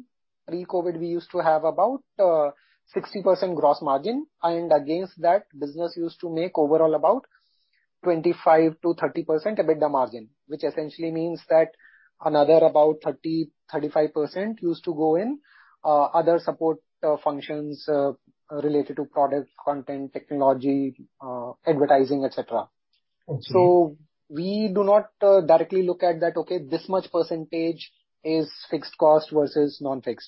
pre-COVID, we used to have about 60% gross margin. Against that, business used to make overall about 25%-30% EBITDA margin, which essentially means that another about 30%-35% used to go in other support functions related to product, content, technology, advertising, et cetera. Okay. We do not directly look at that, okay, this much percentage is fixed cost versus non-fixed.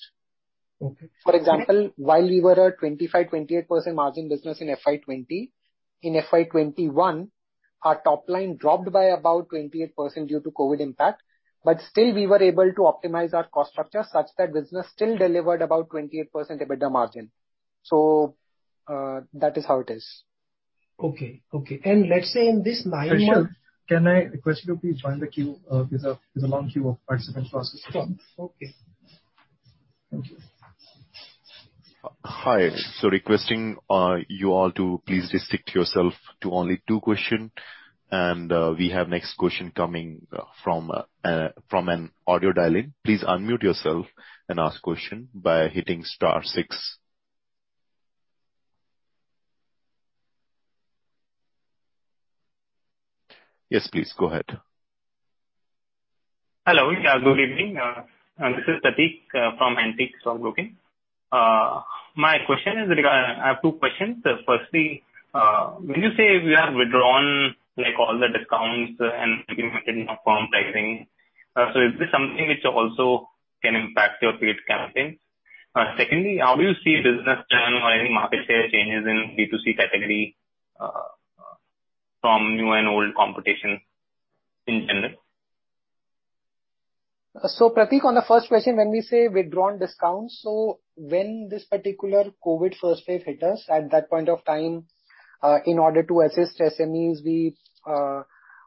Okay. For example, while we were a 25%-28% margin business in FY 2020, in FY 2021, our top line dropped by about 28% due to COVID impact. Still we were able to optimize our cost structure such that business still delivered about 28% EBITDA margin. That is how it is. Okay. Let's say in this nine months Harshal, can I request you to please join the queue? Please, there's a long queue of participants who are Sure. Okay. Thank you. Hi. Requesting you all to please restrict yourself to only two questions. We have next question coming from an audio dial-in. Please unmute yourself and ask question by hitting star six. Yes, please go ahead. Hello. Yeah, good evening. This is Prateek from Antique Stock Broking. I have two questions. Firstly, when you say we have withdrawn, like, all the discounts and implemented firm pricing, so is this something which also can impact your paid campaign? Secondly, how do you see business turn or any market share changes in B2C category from new and old competition in general? Prateek, on the first question, when we say withdrawn discounts, when this particular COVID first wave hit us, at that point of time, in order to assist SMEs, we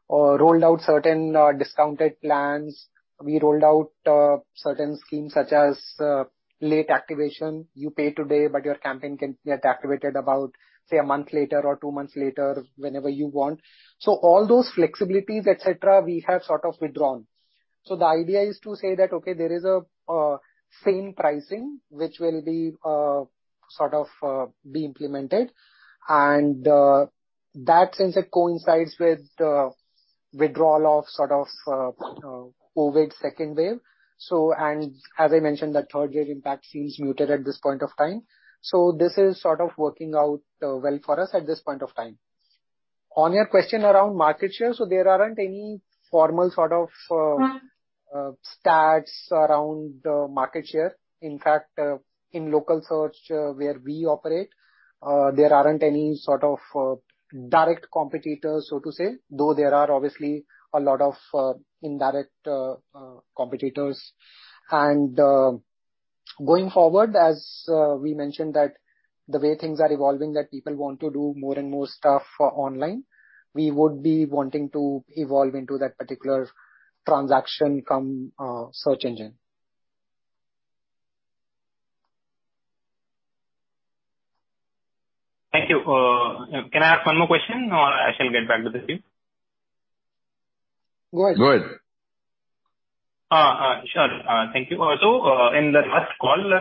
rolled out certain discounted plans. We rolled out certain schemes such as late activation. You pay today, but your campaign can get activated about, say, a month later or two months later, whenever you want. All those flexibilities, et cetera, we have sort of withdrawn. The idea is to say that, okay, there is a same pricing which will be sort of be implemented and that since it coincides with withdrawal of sort of COVID second wave, and as I mentioned, the third wave impact seems muted at this point of time. This is sort of working out, well for us at this point of time. On your question around market share, so there aren't any formal sort of, stats around, market share. In fact, in local search, where we operate, there aren't any sort of, direct competitors, so to say, though there are obviously a lot of, indirect, competitors. Going forward, as we mentioned that the way things are evolving, that people want to do more and more stuff online, we would be wanting to evolve into that particular transaction cum, search engine. Thank you. Can I ask one more question or I shall get back to the queue? Go ahead. Go ahead. Sure. Thank you. Also, in the last call.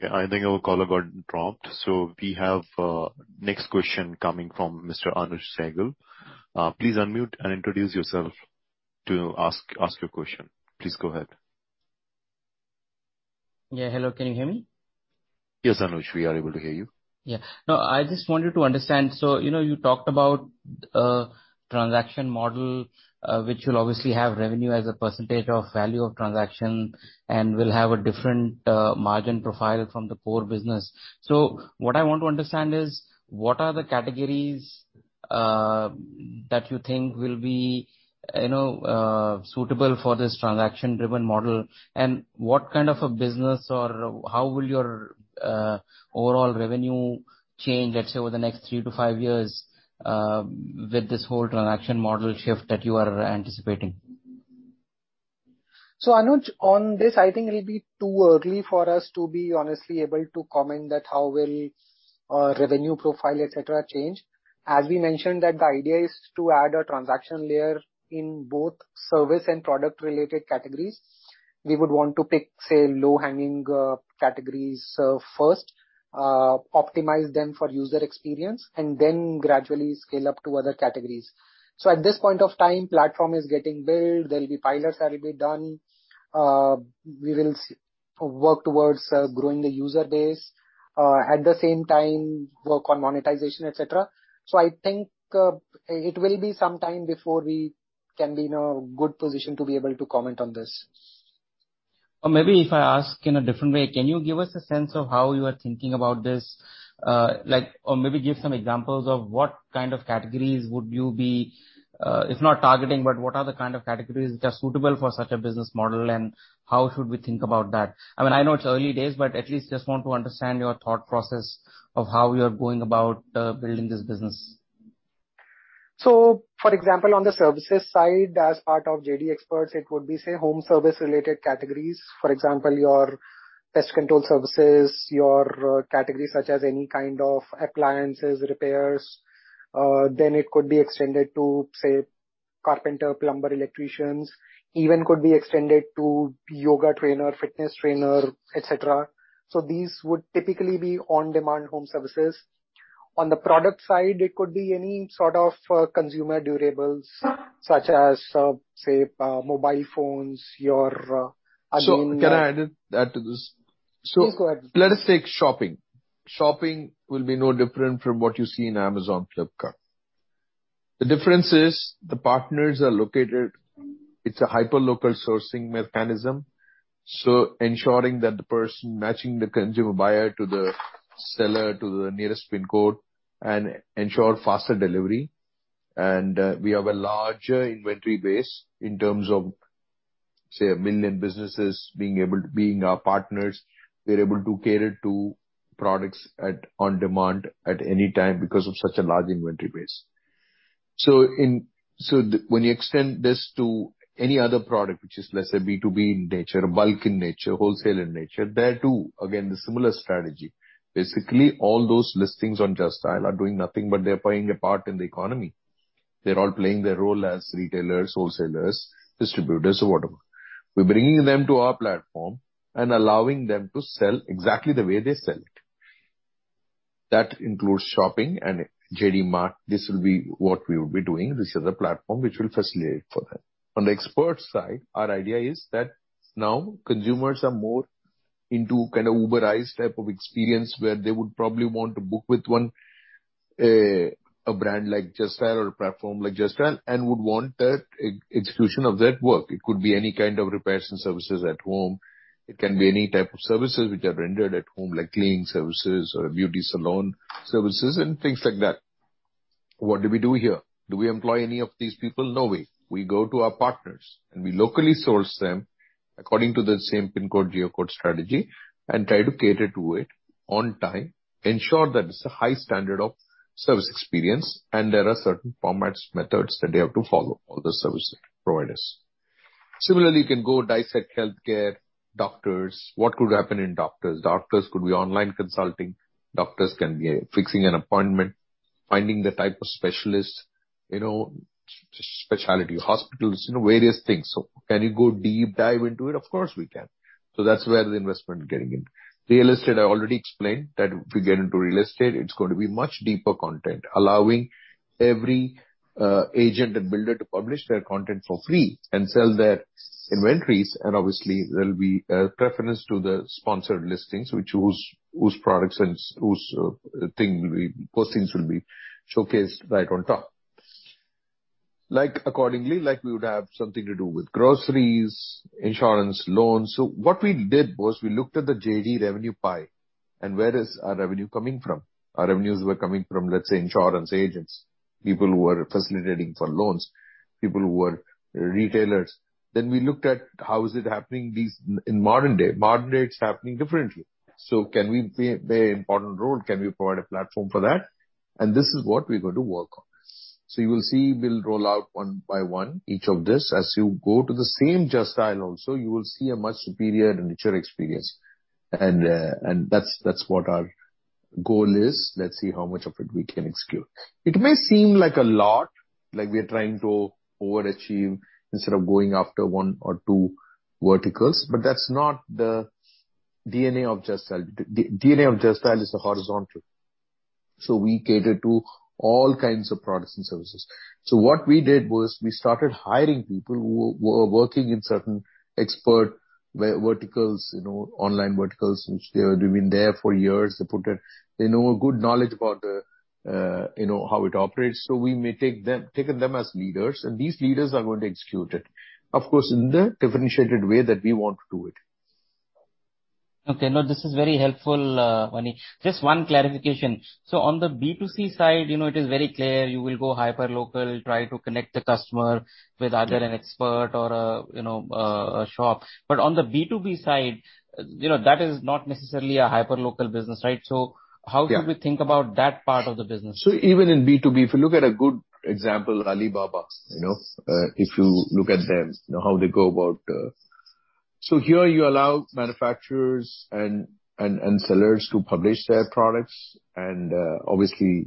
Yeah, I think our caller got dropped. We have next question coming from Mr. Anuj Sahilgal. Please unmute and introduce yourself to ask your question. Please go ahead. Yeah, hello. Can you hear me? Yes, Anuj, we are able to hear you. Yeah. No, I just want you to understand. You know, you talked about transaction model, which will obviously have revenue as a percentage of value of transaction and will have a different margin profile from the core business. What I want to understand is what are the categories that you think will be, you know, suitable for this transaction-driven model, and what kind of a business or how will your overall revenue change, let's say over the next three to five years, with this whole transaction model shift that you are anticipating? Anuj, on this, I think it'll be too early for us to be honestly able to comment that how will our revenue profile, et cetera, change. As we mentioned that the idea is to add a transaction layer in both service and product-related categories. We would want to pick, say, low-hanging, categories first, optimize them for user experience and then gradually scale up to other categories. At this point of time, platform is getting built, there'll be pilots that will be done. We will work towards growing the user base, at the same time work on monetization, et cetera. I think, it will be some time before we can be in a good position to be able to comment on this. Maybe if I ask in a different way, can you give us a sense of how you are thinking about this? Maybe give some examples of what kind of categories would you be, if not targeting, but what are the kind of categories which are suitable for such a business model, and how should we think about that? I mean, I know it's early days, but at least just want to understand your thought process of how you are going about building this business. For example, on the services side, as part of JD Xperts, it would be, say, home service-related categories. For example, your pest control services, your categories such as any kind of appliances repairs. Then it could be extended to, say, carpenter, plumber, electricians, even could be extended to yoga trainer, fitness trainer, et cetera. These would typically be on-demand home services. On the product side, it could be any sort of consumer durables such as, say, mobile phones, your Can I add to this? Please go ahead. Let us take shopping. Shopping will be no different from what you see in Amazon, Flipkart. The difference is the partners are located. It's a hyperlocal sourcing mechanism, so ensuring that the person matching the consumer buyer to the seller to the nearest PIN code and ensure faster delivery. We have a larger inventory base in terms of, say, 1 million businesses being our partners. We're able to cater to products on demand at any time because of such a large inventory base. When you extend this to any other product which is, let's say, B2B in nature, bulk in nature, wholesale in nature, there too, again, the similar strategy. Basically, all those listings on Just Dial are doing nothing but they are playing a part in the economy. They're all playing their role as retailers, wholesalers, distributors or whatever. We're bringing them to our platform and allowing them to sell exactly the way they sell it. That includes JD Shopping and JD Mart. This will be what we will be doing. This is a platform which will facilitate for that. On the JD Xperts side, our idea is that now consumers are more into kind of Uberized type of experience, where they would probably want to book with one, a brand like Just Dial or a platform like Just Dial and would want that e-execution of that work. It could be any kind of repairs and services at home. It can be any type of services which are rendered at home, like cleaning services or beauty salon services and things like that. What do we do here? Do we employ any of these people? No, we. We go to our partners, and we locally source them according to the same PIN code, geocode strategy and try to cater to it on time, ensure that it's a high standard of service experience, and there are certain formats, methods that they have to follow, all the service providers. Similarly, you can go dissect healthcare, doctors. What could happen in doctors? Doctors could be online consulting. Doctors can be fixing an appointment, finding the type of specialist, you know, specialty hospitals, you know, various things. So can you go deep dive into it? Of course, we can. So that's where the investment getting in. Real estate, I already explained that if we get into real estate, it's going to be much deeper content, allowing every agent and builder to publish their content for free and sell their inventories. Obviously, there'll be a preference to the sponsored listings, whose products and services postings will be showcased right on top. Like, accordingly, like we would have something to do with groceries, insurance, loans. What we did was we looked at the JD revenue pie and where is our revenue coming from. Our revenues were coming from, let's say, insurance agents, people who are facilitating for loans, people who are retailers. We looked at how is it happening in modern day. In modern day, it's happening differently. Can we play an important role? Can we provide a platform for that? This is what we're going to work on. You will see we'll roll out one by one each of these. As you go to the same Just Dial also, you will see a much superior and richer experience. That's what our goal is. Let's see how much of it we can execute. It may seem like a lot, like we are trying to overachieve instead of going after one or two verticals, but that's not the DNA of Just Dial. The DNA of Just Dial is a horizontal. We cater to all kinds of products and services. What we did was we started hiring people who were working in certain expert verticals, you know, online verticals, which they have been there for years. They know a good knowledge about, you know, how it operates. We may take them as leaders, and these leaders are going to execute it. Of course, in the differentiated way that we want to do it. Okay. No, this is very helpful, Mani. Just one clarification. On the B2C side, you know, it is very clear you will go hyperlocal, try to connect the customer with either an expert or, you know, a shop. On the B2B side, you know, that is not necessarily a hyperlocal business, right? How should we think about that part of the business? Even in B2B, if you look at a good example, Alibaba, you know, if you look at them, you know, how they go about. Here you allow manufacturers and sellers to publish their products and obviously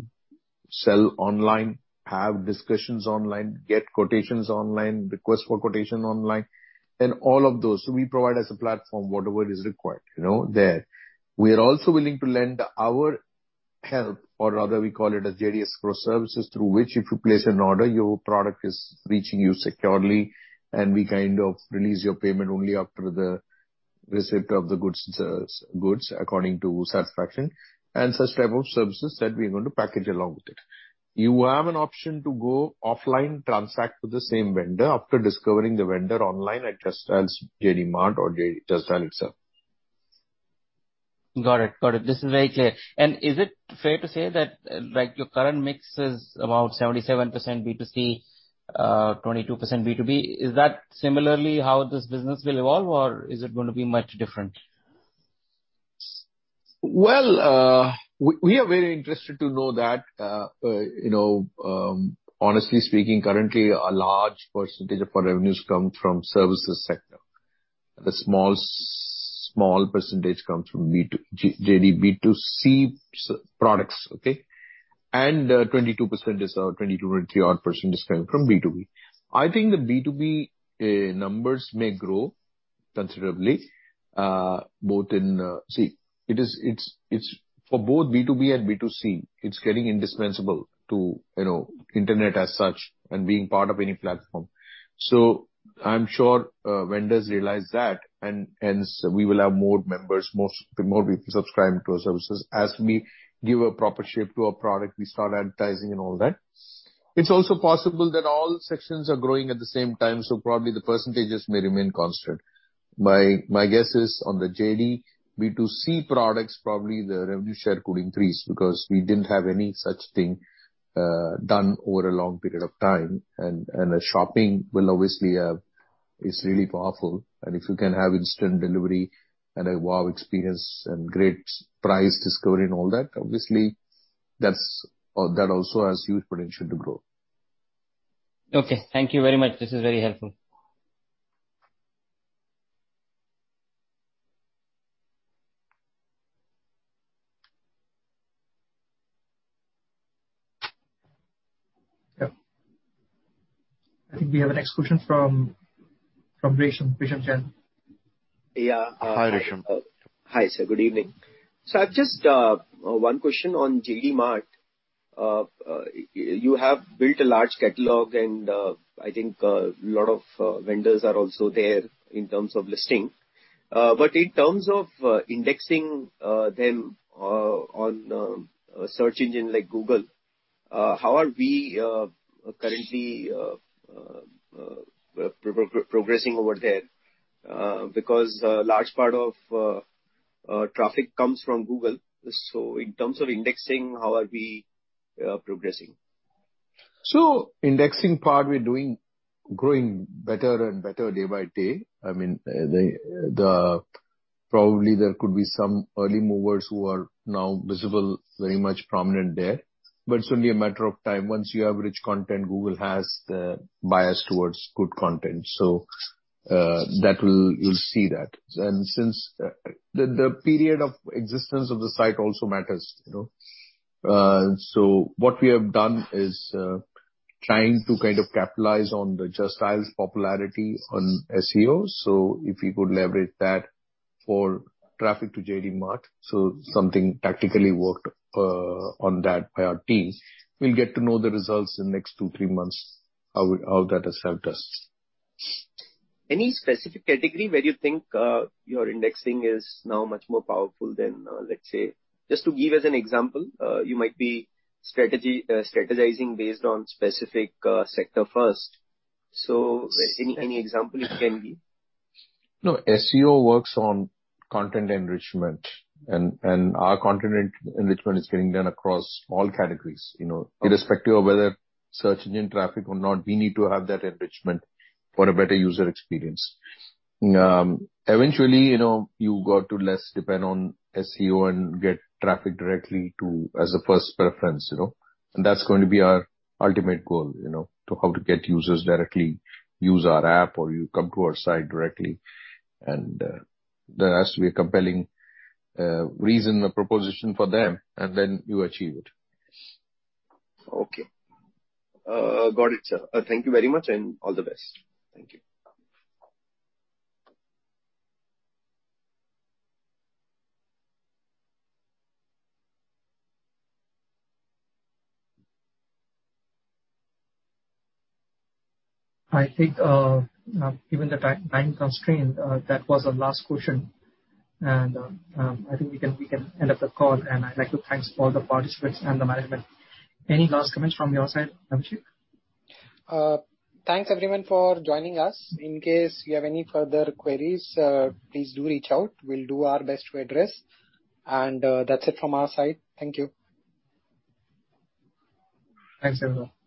sell online, have discussions online, get quotations online, request for quotation online, and all of those. We provide as a platform whatever is required, you know, there. We are also willing to lend our help, or rather we call it JD Xperts services, through which if you place an order, your product is reaching you securely, and we kind of release your payment only after the receipt of the goods according to satisfaction, and such type of services that we're going to package along with it. You have an option to go offline, transact with the same vendor after discovering the vendor online at Just Dial's JD Mart or Just Dial itself. Got it. This is very clear. Is it fair to say that, like, your current mix is about 77% B2C, 22% B2B? Is that similarly how this business will evolve, or is it gonna be much different? Well, we are very interested to know that, you know, honestly speaking, currently a large percentage of our revenues come from services sector. The small percentage comes from B2C JD B2C products, okay? 22%, 20% is coming from B2B. I think the B2B numbers may grow considerably. See, it is for both B2B and B2C, it's getting indispensable to, you know, internet as such and being part of any platform. I'm sure vendors realize that, and hence we will have more members, more people subscribing to our services. As we give a proper shape to our product, we start advertising and all that. It's also possible that all sections are growing at the same time, so probably the percentages may remain constant. My guess is on the JD B2C products, probably the revenue share could increase because we didn't have any such thing done over a long period of time. The shopping will obviously is really powerful. If you can have instant delivery and a wow experience and great price discovery and all that, obviously that also has huge potential to grow. Okay. Thank you very much. This is very helpful. Yep. I think we have the next question from Resham Jain. Yeah. Hi, Resham. Hi, sir. Good evening. I've just one question on JD Mart. You have built a large catalog, and I think a lot of vendors are also there in terms of listing. In terms of indexing them on a search engine like Google, how are we currently progressing over there? Because a large part of traffic comes from Google. In terms of indexing, how are we progressing? Indexing part, we're doing, growing better and better day by day. I mean, probably there could be some early movers who are now visible, very much prominent there. It's only a matter of time. Once you have rich content, Google has the bias towards good content. That will. You'll see that. Since the period of existence of the site also matters, you know. What we have done is trying to kind of capitalize on the Just Dial's popularity on SEO. If we could leverage that for traffic to JD Mart, something tactically worked on that by our team. We'll get to know the results in next two, three months, how that has helped us. Any specific category where you think your indexing is now much more powerful than, let's say, just to give as an example, you might be strategizing based on specific sector first. So any example you can give? No, SEO works on content enrichment and our content enrichment is getting done across all categories, you know. Irrespective of whether search engine traffic or not, we need to have that enrichment for a better user experience. Eventually, you know, you got to less depend on SEO and get traffic directly to as a first preference, you know. That's going to be our ultimate goal, you know, to how to get users directly use our app, or you come to our site directly, and there has to be a compelling reason or proposition for them, and then you achieve it. Okay. Got it, sir. Thank you very much, and all the best. Thank you. I think, given the time constraint, that was our last question. I think we can end up the call, and I'd like to thank all the participants and the management. Any last comments from your side, Abhishek? Thanks everyone for joining us. In case you have any further queries, please do reach out. We'll do our best to address. That's it from our side. Thank you. Thanks, everyone.